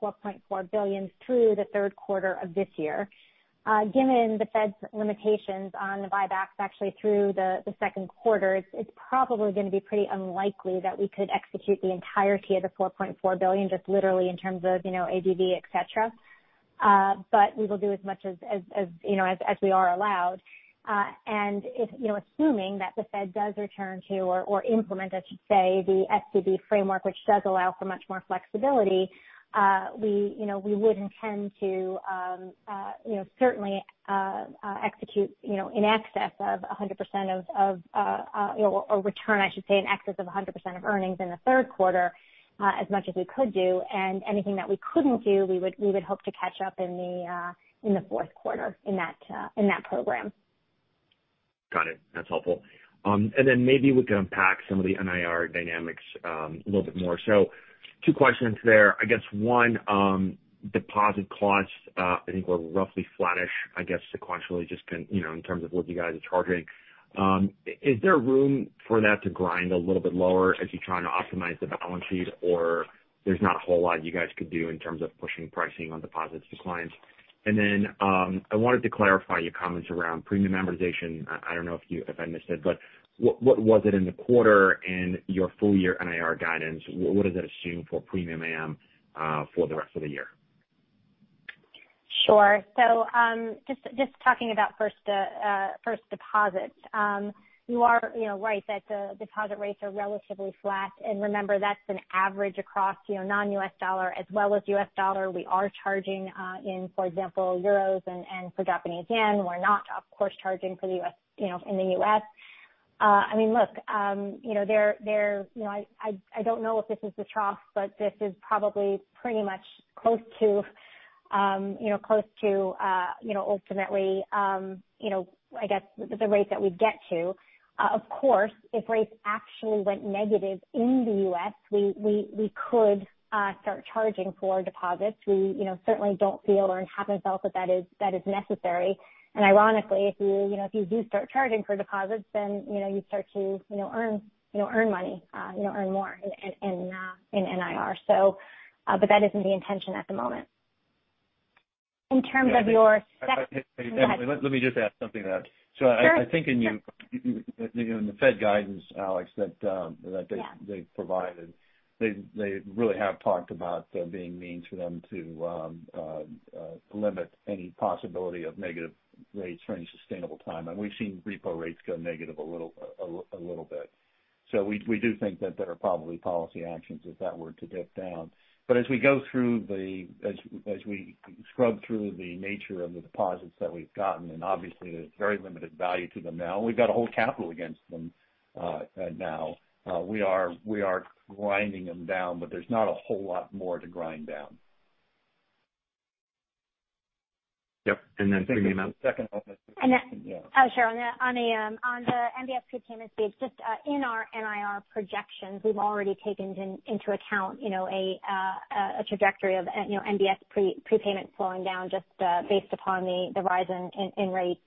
$4.4 billion through the third quarter of this year. Given the Fed's limitations on the buybacks actually through the second quarter, it's probably going to be pretty unlikely that we could execute the entirety of the $4.4 billion just literally in terms of ADTV, et cetera. We will do as much as we are allowed. Assuming that the Fed does return to or implement, I should say, the SCB framework, which does allow for much more flexibility, we would intend to certainly execute in excess of 100% or return, I should say, in excess of 100% of earnings in the third quarter as much as we could do. Anything that we couldn't do, we would hope to catch up in the fourth quarter in that program. Got it. That's helpful. Maybe we can unpack some of the NIR dynamics a little bit more. Two questions there. I guess one, deposit costs I think were roughly flattish, I guess sequentially, just in terms of what you guys are charging. Is there room for that to grind a little bit lower as you're trying to optimize the balance sheet, or there's not a whole lot you guys could do in terms of pushing pricing on deposits to clients? I wanted to clarify your comments around premium amortization. I don't know if I missed it, but what was it in the quarter and your full year NIR guidance? What is it assumed for premium amortization for the rest of the year? Sure. Just talking about first deposits. You are right that the deposit rates are relatively flat, and remember that's an average across non-U.S. dollar as well as U.S. dollar. We are charging in, for example, euros and for Japanese yen. We're not, of course, charging in the U.S. I don't know if this is the trough, but this is probably pretty much close to ultimately I guess the rate that we'd get to. Of course, if rates actually went negative in the U.S., we could start charging for deposits. We certainly don't feel or haven't felt that that is necessary. Ironically, if you do start charging for deposits, then you'd start to earn money, earn more in NIR. That isn't the intention at the moment. Emily, let me just add something to that. Sure. I think in the Fed guidance, Alex, that they've provided, they really have talked about there being means for them to limit any possibility of negative rates for any sustainable time. We've seen repo rates go negative a little bit. We do think that there are probably policy actions if that were to dip down. As we scrub through the nature of the deposits that we've gotten, and obviously there's very limited value to them now, we've got to hold capital against them. Now we are grinding them down, but there's not a whole lot more to grind down. Yep. For me, [Man]. Second one. Sure. On the MBS prepayment speed, just in our NIR projections, we've already taken into account a trajectory of MBS prepayments slowing down just based upon the rise in rates.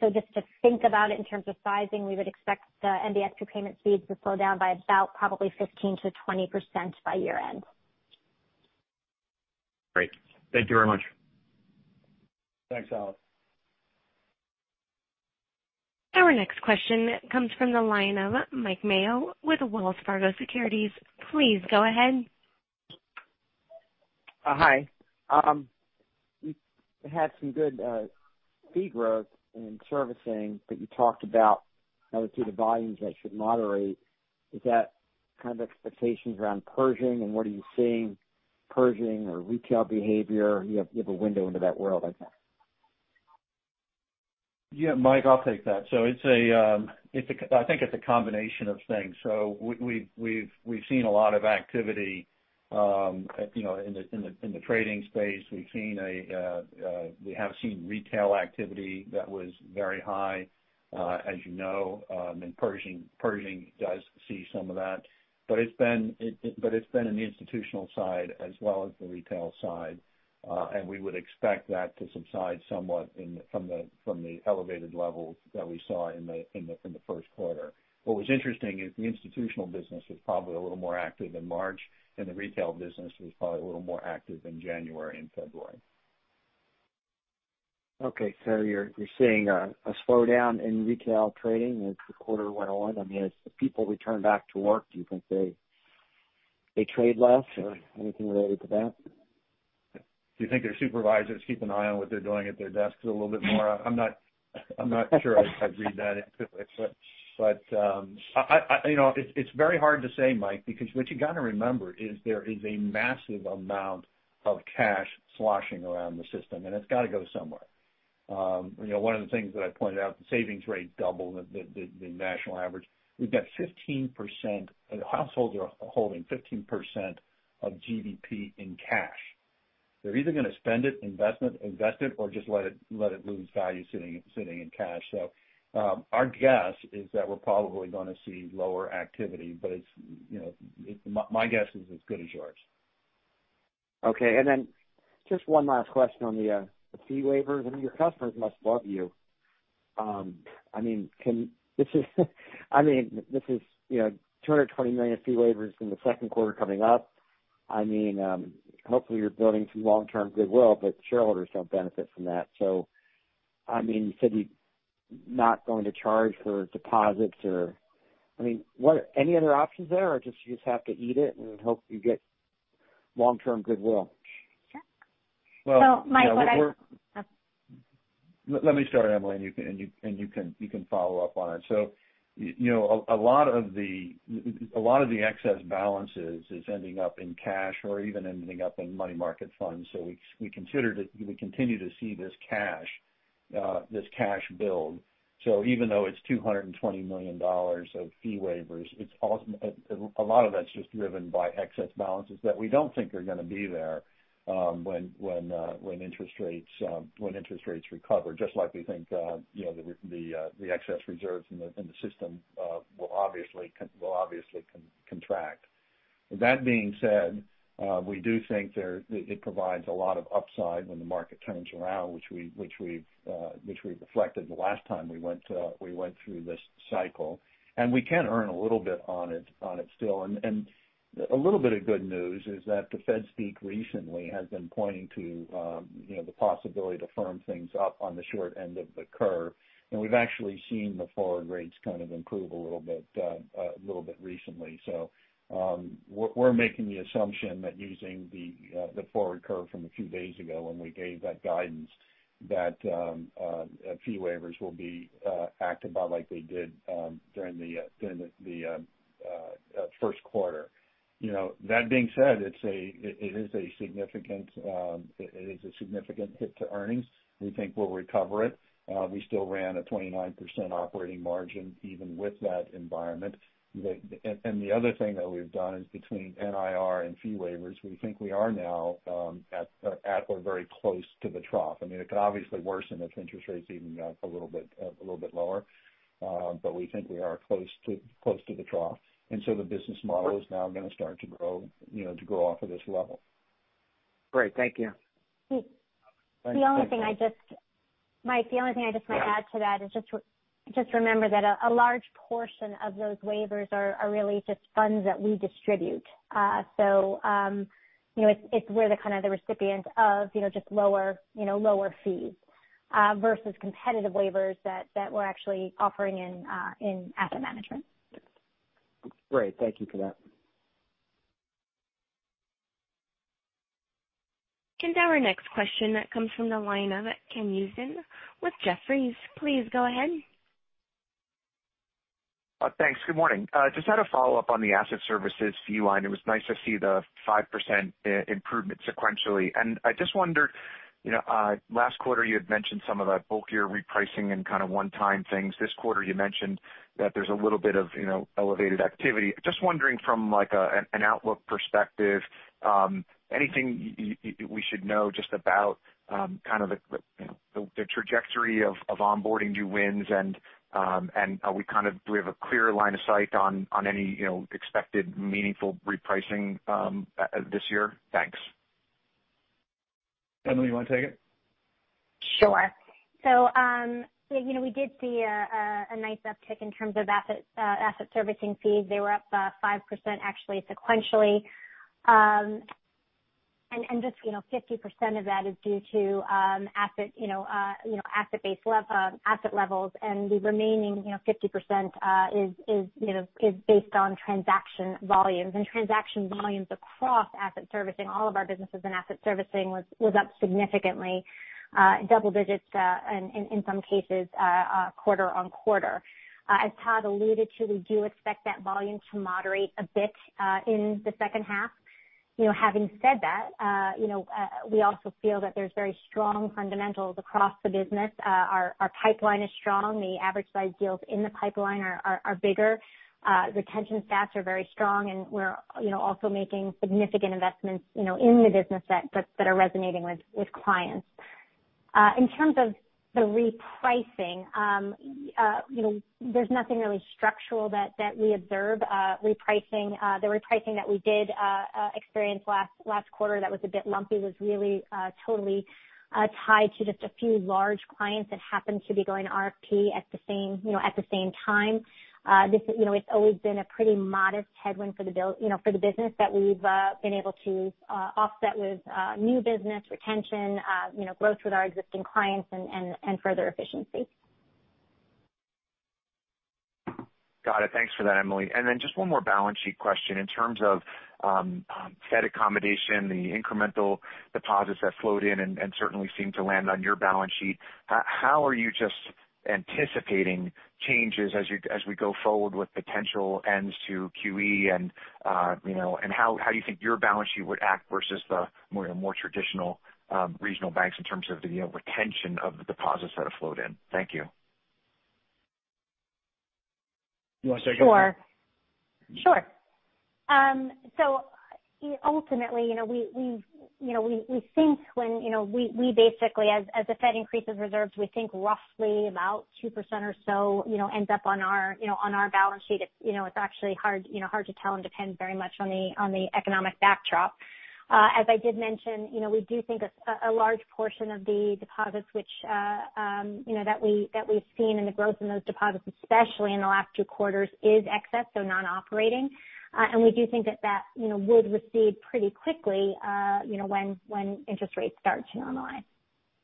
Just to think about it in terms of sizing, we would expect the MBS prepayment speeds to slow down by about probably 15%-20% by year-end. Great. Thank you very much. Thanks, Alex. Our next question comes from the line of Mike Mayo with Wells Fargo Securities. Please go ahead. Hi. You had some good fee growth in servicing, but you talked about how the two volumes that should moderate. Is that kind of expectations around Pershing, and what are you seeing Pershing or retail behavior? You have a window into that world, I think. Yeah, Mike, I'll take that. I think it's a combination of things. We've seen a lot of activity in the trading space. We have seen retail activity that was very high, as you know. Pershing does see some of that. It's been in the institutional side as well as the retail side. We would expect that to subside somewhat from the elevated levels that we saw in the first quarter. What was interesting is the institutional business was probably a little more active in March, and the retail business was probably a little more active in January and February. Okay, you're seeing a slowdown in retail trading as the quarter went on. As the people return back to work, do you think they trade less or anything related to that? Do you think their supervisors keep an eye on what they're doing at their desks a little bit more? I'm not sure I'd read that into it, but it's very hard to say, Mike, because what you got to remember is there is a massive amount of cash sloshing around the system, and it's got to go somewhere. One of the things that I pointed out, the savings rate doubled the national average. Households are holding 15% of GDP in cash. They're either going to spend it, invest it, or just let it lose value sitting in cash. Our guess is that we're probably going to see lower activity, but my guess is as good as yours. Just one last question on the fee waivers. I mean, your customers must love you. This is $220 million fee waivers in the second quarter coming up. Hopefully, you're building some long-term goodwill, but shareholders don't benefit from that. You said you're not going to charge for deposits or any other options there, or you just have to eat it and hope you get long-term goodwill? Sure. Mike, what I- Let me start, Emily. You can follow up on it. A lot of the excess balances is ending up in cash or even ending up in money market funds. We continue to see this cash build. Even though it's $220 million of fee waivers, a lot of that's just driven by excess balances that we don't think are going to be there when interest rates recover, just like we think the excess reserves in the system will obviously contract. That being said, we do think it provides a lot of upside when the market turns around, which we reflected the last time we went through this cycle. We can earn a little bit on it still. A little bit of good news is that the Fedspeak recently has been pointing to the possibility to firm things up on the short end of the curve. We've actually seen the forward rates kind of improve a little bit recently. We're making the assumption that using the forward curve from a few days ago when we gave that guidance, that fee waivers will be acted upon like they did during the first quarter. That being said, it is a significant hit to earnings. We think we'll recover it. We still ran a 29% operating margin even with that environment. The other thing that we've done is between NIR and fee waivers, we think we are now at or very close to the trough. It could obviously worsen if interest rates even got a little bit lower. We think we are close to the trough. The business model is now going to start to grow off of this level. Great. Thank you. Sure. Thanks. Mike, the only thing I just might add to that is just remember that a large portion of those waivers are really just funds that we distribute. We're the recipient of just lower fees versus competitive waivers that we're actually offering in asset management. Great. Thank you for that. Now our next question comes from the line of Ken Usdin with Jefferies. Please go ahead. Thanks. Good morning. Just had a follow-up on the asset services fee line. It was nice to see the 5% improvement sequentially. I just wondered, last quarter you had mentioned some of the bulkier repricing and kind of one-time things. This quarter you mentioned that there's a little bit of elevated activity. Just wondering from an outlook perspective, anything we should know just about the trajectory of onboarding new wins, and do we have a clear line of sight on any expected meaningful repricing this year? Thanks. Emily, you want to take it? Sure. We did see a nice uptick in terms of asset servicing fees. They were up 5% actually sequentially. Just 50% of that is due to asset levels, and the remaining 50% is based on transaction volumes. Transaction volumes across asset servicing, all of our businesses and asset servicing was up significantly double digits, in some cases, quarter-on-quarter. As Todd alluded to, we do expect that volume to moderate a bit in the second half. Having said that, we also feel that there is very strong fundamentals across the business. Our pipeline is strong. The average size deals in the pipeline are bigger. Retention stats are very strong, and we are also making significant investments in the business that are resonating with clients. In terms of the repricing, there is nothing really structural that we observe. The repricing that we did experience last quarter that was a bit lumpy was really totally tied to just a few large clients that happened to be going RFP at the same time. It's always been a pretty modest headwind for the business that we've been able to offset with new business retention, growth with our existing clients, and further efficiency. Got it. Thanks for that, Emily. Just one more balance sheet question. In terms of Fed accommodation, the incremental deposits that flowed in and certainly seemed to land on your balance sheet, how are you just anticipating changes as we go forward with potential ends to QE, how do you think your balance sheet would act versus the more traditional regional banks in terms of the retention of the deposits that have flowed in? Thank you. You want to take it? Sure. Ultimately, we think when the Fed increases reserves, we think roughly about 2% or so ends up on our balance sheet. It's actually hard to tell and depends very much on the economic backdrop. As I did mention, we do think a large portion of the deposits that we've seen and the growth in those deposits, especially in the last two quarters, is excess, so non-operating. We do think that that would recede pretty quickly when interest rates start to normalize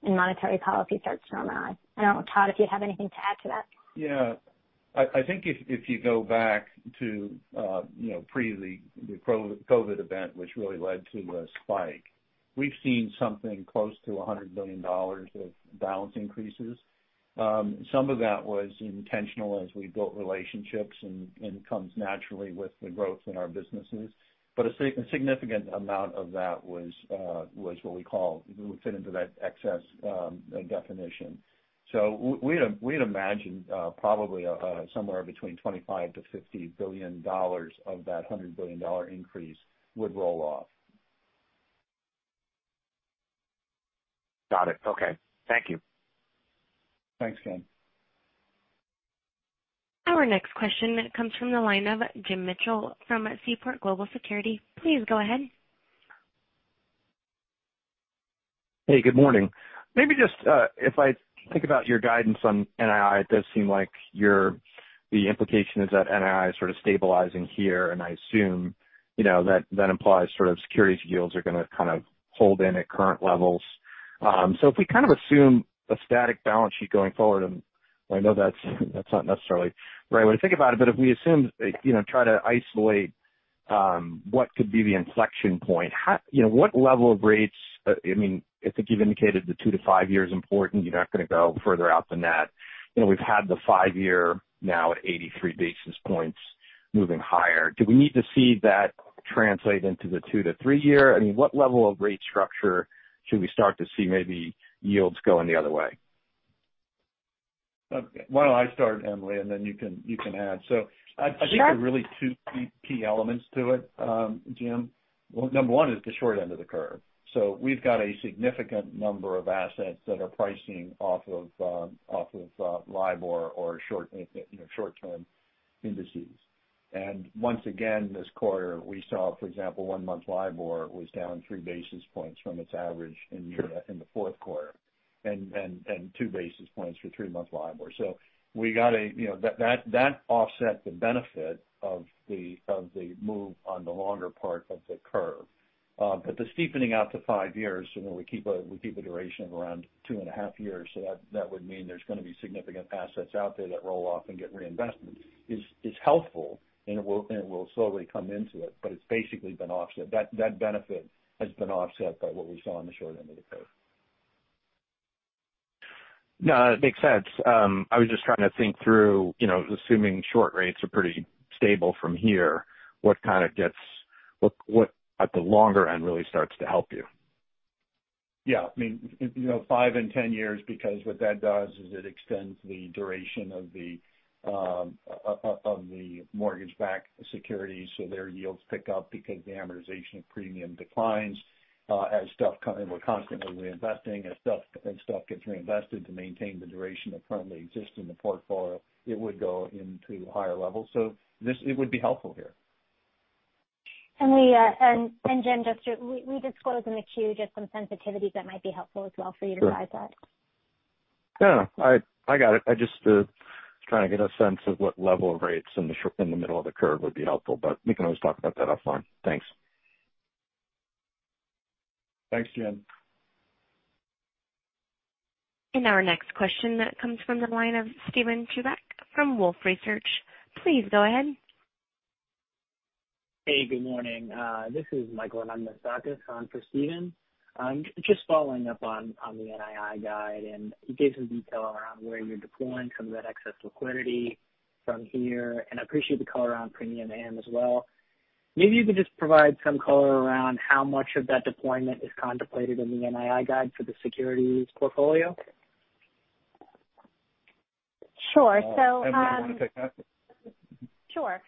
and monetary policy starts to normalize. I don't know, Todd, if you have anything to add to that. I think if you go back to pre the COVID event, which really led to a spike, we've seen something close to $100 billion of balance increases. Some of that was intentional as we built relationships and comes naturally with the growth in our businesses. A significant amount of that would fit into that excess definition. We'd imagine probably somewhere between $25 billion-$50 billion of that $100 billion increase would roll off. Got it. Okay. Thank you. Thanks, Ken. Our next question comes from the line of James Mitchell from Seaport Global Securities. Please go ahead. Hey, good morning. Maybe just if I think about your guidance on NII, it does seem like the implication is that NII is sort of stabilizing here, and I assume that implies securities yields are going to kind of hold in at current levels. If we kind of assume a static balance sheet going forward, and I know that's not necessarily the right way to think about it, but if we assume, try to isolate what could be the inflection point. What level of rates, I think you've indicated the two to five years important. You're not going to go further out than that. We've had the five-year now at 83 basis points moving higher. Do we need to see that translate into the two to three year? What level of rate structure should we start to see maybe yields going the other way? Okay. Why don't I start, Emily, and then you can add. Sure. I think there are really two key elements to it, Jim. Number one is the short end of the curve. We've got a significant number of assets that are pricing off of LIBOR or short-term indices. Once again, this quarter, we saw, for example, one-month LIBOR was down three basis points from its average in the fourth quarter and two basis points for three-month LIBOR. That offset the benefit of the move on the longer part of the curve. The steepening out to five years, we keep a duration of around two and a half years, so that would mean there's going to be significant assets out there that roll off and get reinvestment, is helpful, and it will slowly come into it, but it's basically been offset. That benefit has been offset by what we saw on the short end of the curve. No, it makes sense. I was just trying to think through, assuming short rates are pretty stable from here, what at the longer end really starts to help you. Yeah. I mean, five and 10 years because what that does is it extends the duration of the mortgage-backed securities so their yields pick up because the amortization of premium declines. We're constantly reinvesting, and stuff gets reinvested to maintain the duration that currently exists in the portfolio. It would go into higher levels. It would be helpful here. Jim, we disclose in the Q just some sensitivities that might be helpful as well for you to size that. Sure. No, I got it. I'm just trying to get a sense of what level of rates in the middle of the curve would be helpful, but we can always talk about that offline. Thanks. Thanks, Jim. Our next question that comes from the line of Steven Chuback from Wolfe Research. Please go ahead. Hey, good morning. This is Michael Anagnostakis on for Steven. Following up on the NII guide, you gave some detail around where you're deploying some of that excess liquidity from here, and I appreciate the color on premium amortization as well. Maybe you could just provide some color around how much of that deployment is contemplated in the NII guide for the securities portfolio. Sure. Emily, you want to take that? Sure.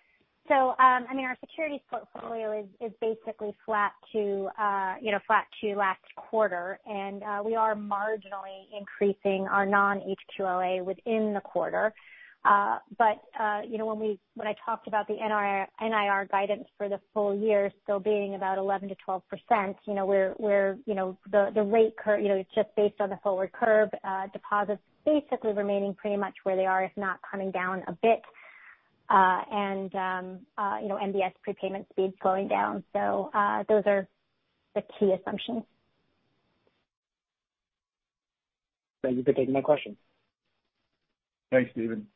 Our securities portfolio is basically flat to last quarter, and we are marginally increasing our non-HQLA within the quarter. When I talked about the NIR guidance for the full year still being about 11%-12%, the rate just based on the forward curve deposits basically remaining pretty much where they are, if not coming down a bit, and MBS prepayment speeds slowing down. Those are the key assumptions. Thank you for taking my question. Thanks, Steven.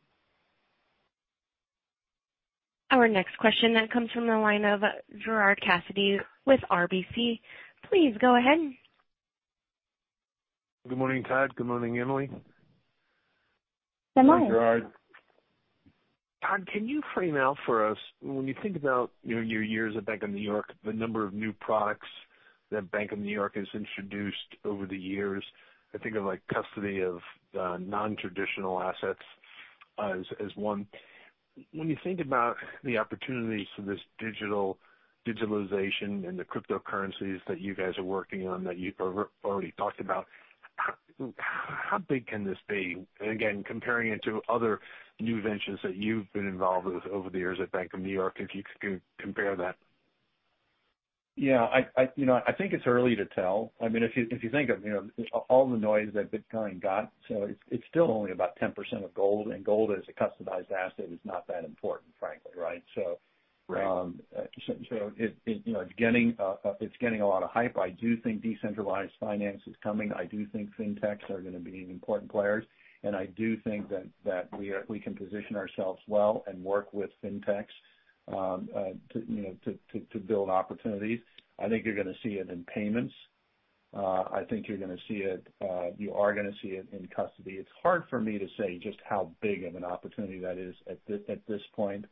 Our next question comes from the line of Gerard Cassidy with RBC. Please go ahead. Good morning, Todd. Good morning, Emily. Good morning. Hi, Gerard. Todd, can you frame out for us when you think about your years at Bank of New York, the number of new products that Bank of New York has introduced over the years, I think of like custody of nontraditional assets as one. When you think about the opportunities for this digitalization and the cryptocurrencies that you guys are working on, that you've already talked about, how big can this be? Again, comparing it to other new ventures that you've been involved with over the years at Bank of New York, if you could compare that. Yeah. I think it's early to tell. If you think of all the noise that Bitcoin got, so it's still only about 10% of gold, and gold as a customized asset is not that important, frankly, right? Right. It's getting a lot of hype. I do think decentralized finance is coming. I do think fintechs are going to be important players, and I do think that we can position ourselves well and work with fintechs to build opportunities. I think you're going to see it in payments. I think you are going to see it in custody. It's hard for me to say just how big of an opportunity that is at this point.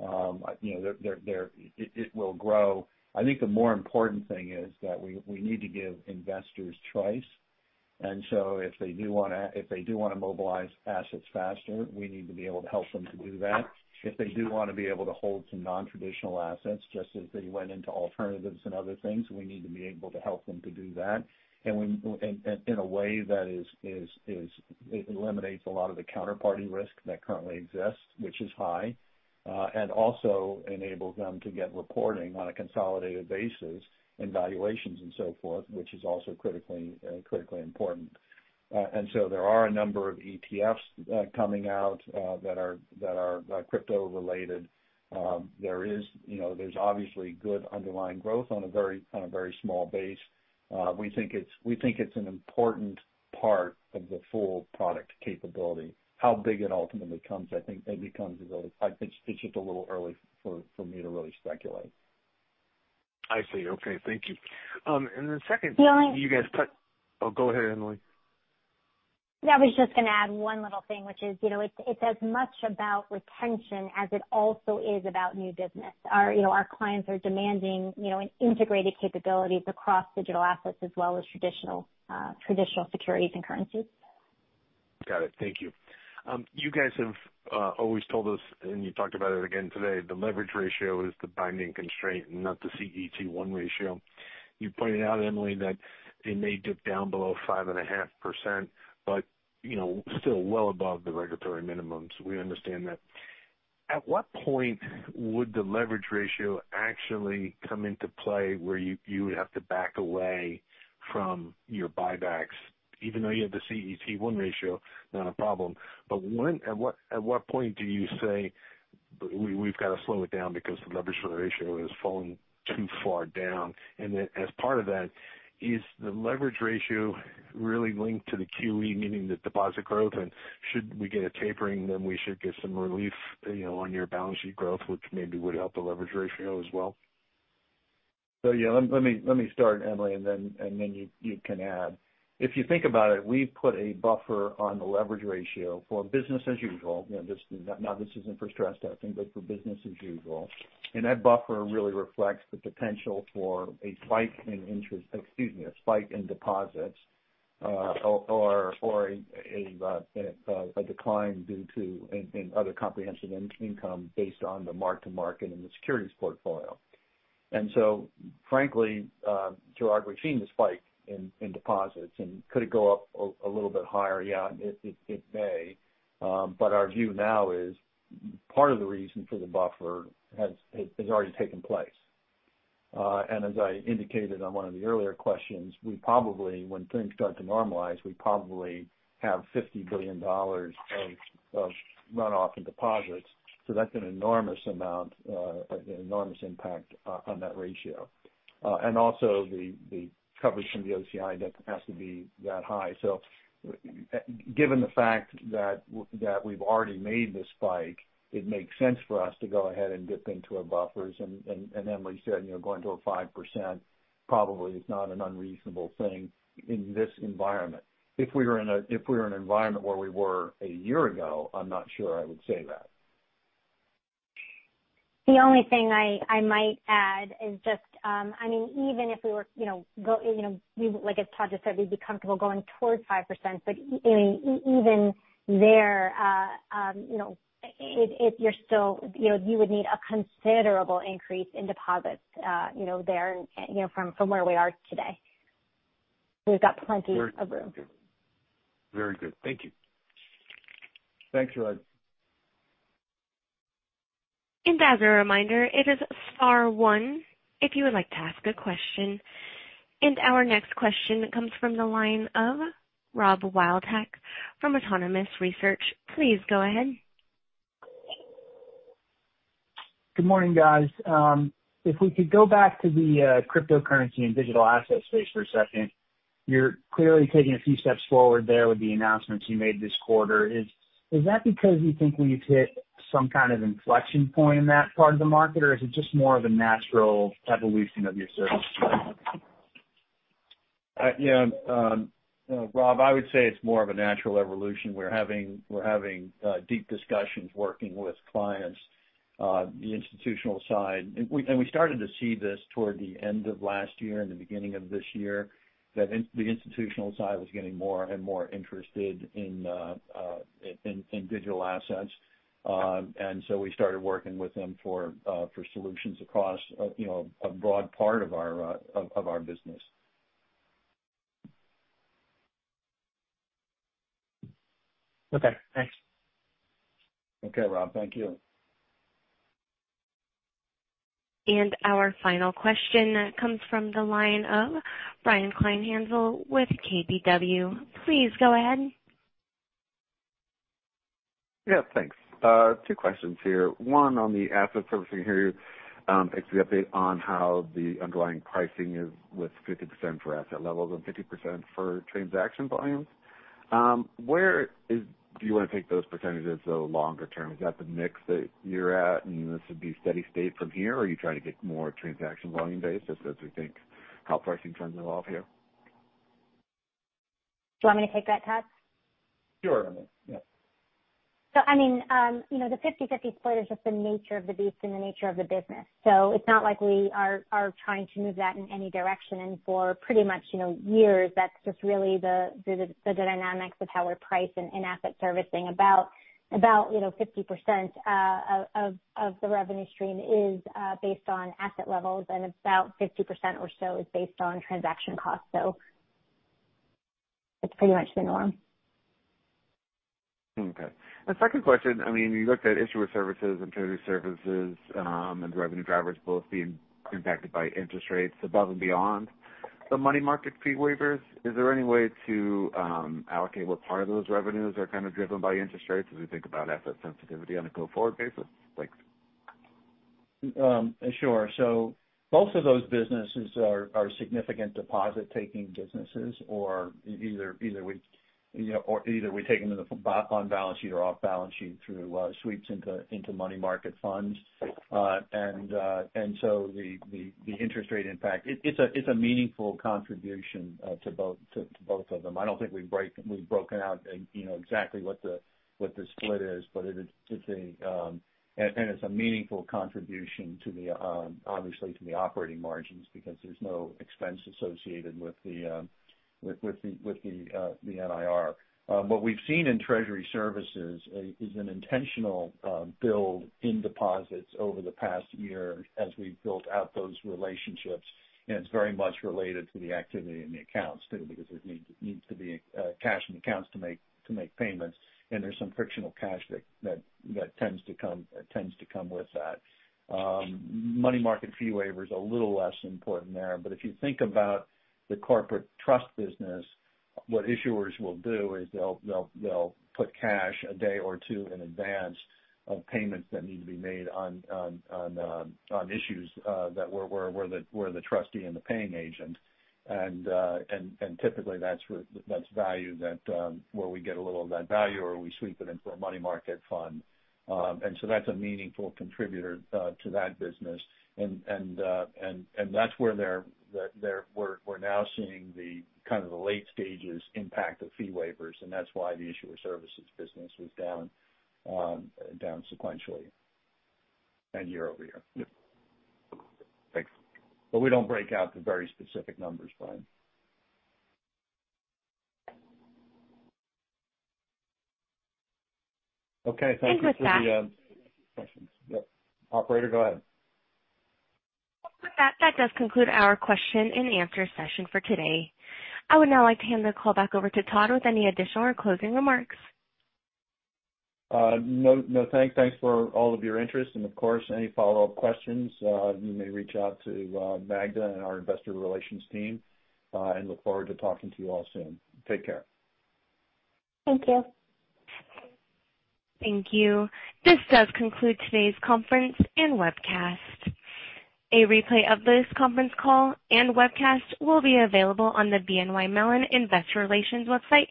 It will grow. I think the more important thing is that we need to give investors choice. If they do want to mobilize assets faster, we need to be able to help them to do that. If they do want to be able to hold some nontraditional assets, just as they went into alternatives and other things, we need to be able to help them to do that. In a way that eliminates a lot of the counterparty risk that currently exists, which is high, and also enables them to get reporting on a consolidated basis and valuations and so forth, which is also critically important. There are a number of ETFs coming out that are crypto related. There's obviously good underlying growth on a very small base. We think it's an important part of the full product capability. How big it ultimately becomes, it's just a little early for me to really speculate. I see. Okay. Thank you. Yeah. Oh, go ahead, Emily. Yeah, I was just going to add one little thing, which is it's as much about retention as it also is about new business. Our clients are demanding integrated capabilities across digital assets as well as traditional securities and currencies. Got it. Thank you. You guys have always told us, and you talked about it again today, the leverage ratio is the binding constraint and not the CET1 ratio. You pointed out, Emily, that it may dip down below 5.5%, but still well above the regulatory minimums. We understand that. At what point would the leverage ratio actually come into play where you would have to back away from your buybacks, even though you have the CET1 ratio, not a problem. At what point do you say, "We've got to slow it down because the leverage ratio has fallen too far down?" As part of that, is the leverage ratio really linked to the QE, meaning the deposit growth? Should we get a tapering, then we should get some relief on your balance sheet growth, which maybe would help the leverage ratio as well. Yeah. Let me start, Emily, you can add. If you think about it, we've put a buffer on the leverage ratio for business as usual. This isn't for stress testing, but for business as usual. That buffer really reflects the potential for a spike in interest, excuse me, a spike in deposits or a decline due to other comprehensive income based on the mark to market in the securities portfolio. Frankly, Gerard, we're seeing the spike in deposits. Could it go up a little bit higher? Yeah, it may. Our view now is part of the reason for the buffer has already taken place. As I indicated on one of the earlier questions, when things start to normalize, we probably have $50 billion of runoff in deposits. That's an enormous amount, an enormous impact on that ratio. Also, the coverage from the OCI doesn't have to be that high. Given the fact that we've already made the spike, it makes sense for us to go ahead and dip into our buffers. Emily said going to a 5% probably is not an unreasonable thing in this environment. If we were in an environment where we were a year ago, I'm not sure I would say that. The only thing I might add is just, even if we were, like as Todd just said, we'd be comfortable going towards 5%, but even there you would need a considerable increase in deposits there from where we are today. We've got plenty of room. Very good. Thank you. Thanks, Gerard. As a reminder, it is star one if you would like to ask a question. Our next question comes from the line of Rob Wildhack from Autonomous Research. Please go ahead. Good morning, guys. If we could go back to the cryptocurrency and digital asset space for a second. You're clearly taking a few steps forward there with the announcements you made this quarter. Is that because you think we've hit some kind of inflection point in that part of the market, or is it just more of a natural evolution of your service? Yeah, Rob, I would say it's more of a natural evolution. We're having deep discussions working with clients on the institutional side. We started to see this toward the end of last year and the beginning of this year, that the institutional side was getting more and more interested in digital assets. We started working with them for solutions across a broad part of our business. Okay, thanks. Okay, Rob. Thank you. Our final question comes from the line of Brian Kleinhanzl with KBW. Please go ahead. Yeah, thanks. Two questions here. One on the asset servicing here. Thanks for the update on how the underlying pricing is with 50% for asset levels and 50% for transaction volumes. Where do you want to take those percentages, though, longer term? Is that the mix that you're at, and this would be steady state from here? Are you trying to get more transaction volume based as we think how pricing trends evolve here? Do you want me to take that, Todd? Sure, Emily. Yeah. The 50/50 split is just the nature of the beast and the nature of the business. It's not like we are trying to move that in any direction. For pretty much years, that's just really the dynamics of how we're priced in asset servicing. About 50% of the revenue stream is based on asset levels, and about 50% or so is based on transaction costs. It's pretty much the norm. Okay. The second question, you looked at Issuer Services and Treasury Services, and the revenue drivers both being impacted by interest rates above and beyond the money market fee waivers. Is there any way to allocate what part of those revenues are kind of driven by interest rates as we think about asset sensitivity on a go-forward basis? Sure. Both of those businesses are significant deposit-taking businesses, or either we take them on balance sheet or off balance sheet through sweeps into money market funds. The interest rate impact, it's a meaningful contribution to both of them. I don't think we've broken out exactly what the split is, and it's a meaningful contribution, obviously, to the operating margins because there's no expense associated with the NIR. What we've seen in Treasury Services is an intentional build in deposits over the past year as we've built out those relationships, and it's very much related to the activity in the accounts, too, because there needs to be cash in accounts to make payments, and there's some frictional cash that tends to come with that. Money market fee waiver is a little less important there. If you think about the Corporate Trust business. What issuers will do is they'll put cash a day or two in advance of payments that need to be made on issues that where the trustee and the paying agent. Typically that's where we get a little of that value or we sweep it into a money market fund. That's a meaningful contributor to that business. That's where we're now seeing the kind of the late stages impact of fee waivers, and that's why the Issuer Services business was down sequentially and year-over-year. Yep. Thanks. We don't break out the very specific numbers, Brian. Okay, thank you for the questions. With that. Yep. Operator, go ahead. With that does conclude our question and answer session for today. I would now like to hand the call back over to Todd with any additional or closing remarks. No, thanks for all of your interest. Of course, any follow-up questions, you may reach out to Magda and our investor relations team. Look forward to talking to you all soon. Take care. Thank you. Thank you. This does conclude today's conference and webcast. A replay of this conference call and webcast will be available on the BNY Mellon investor relations website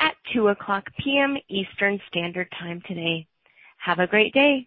at 2:00 P.M. Eastern Standard Time today. Have a great day.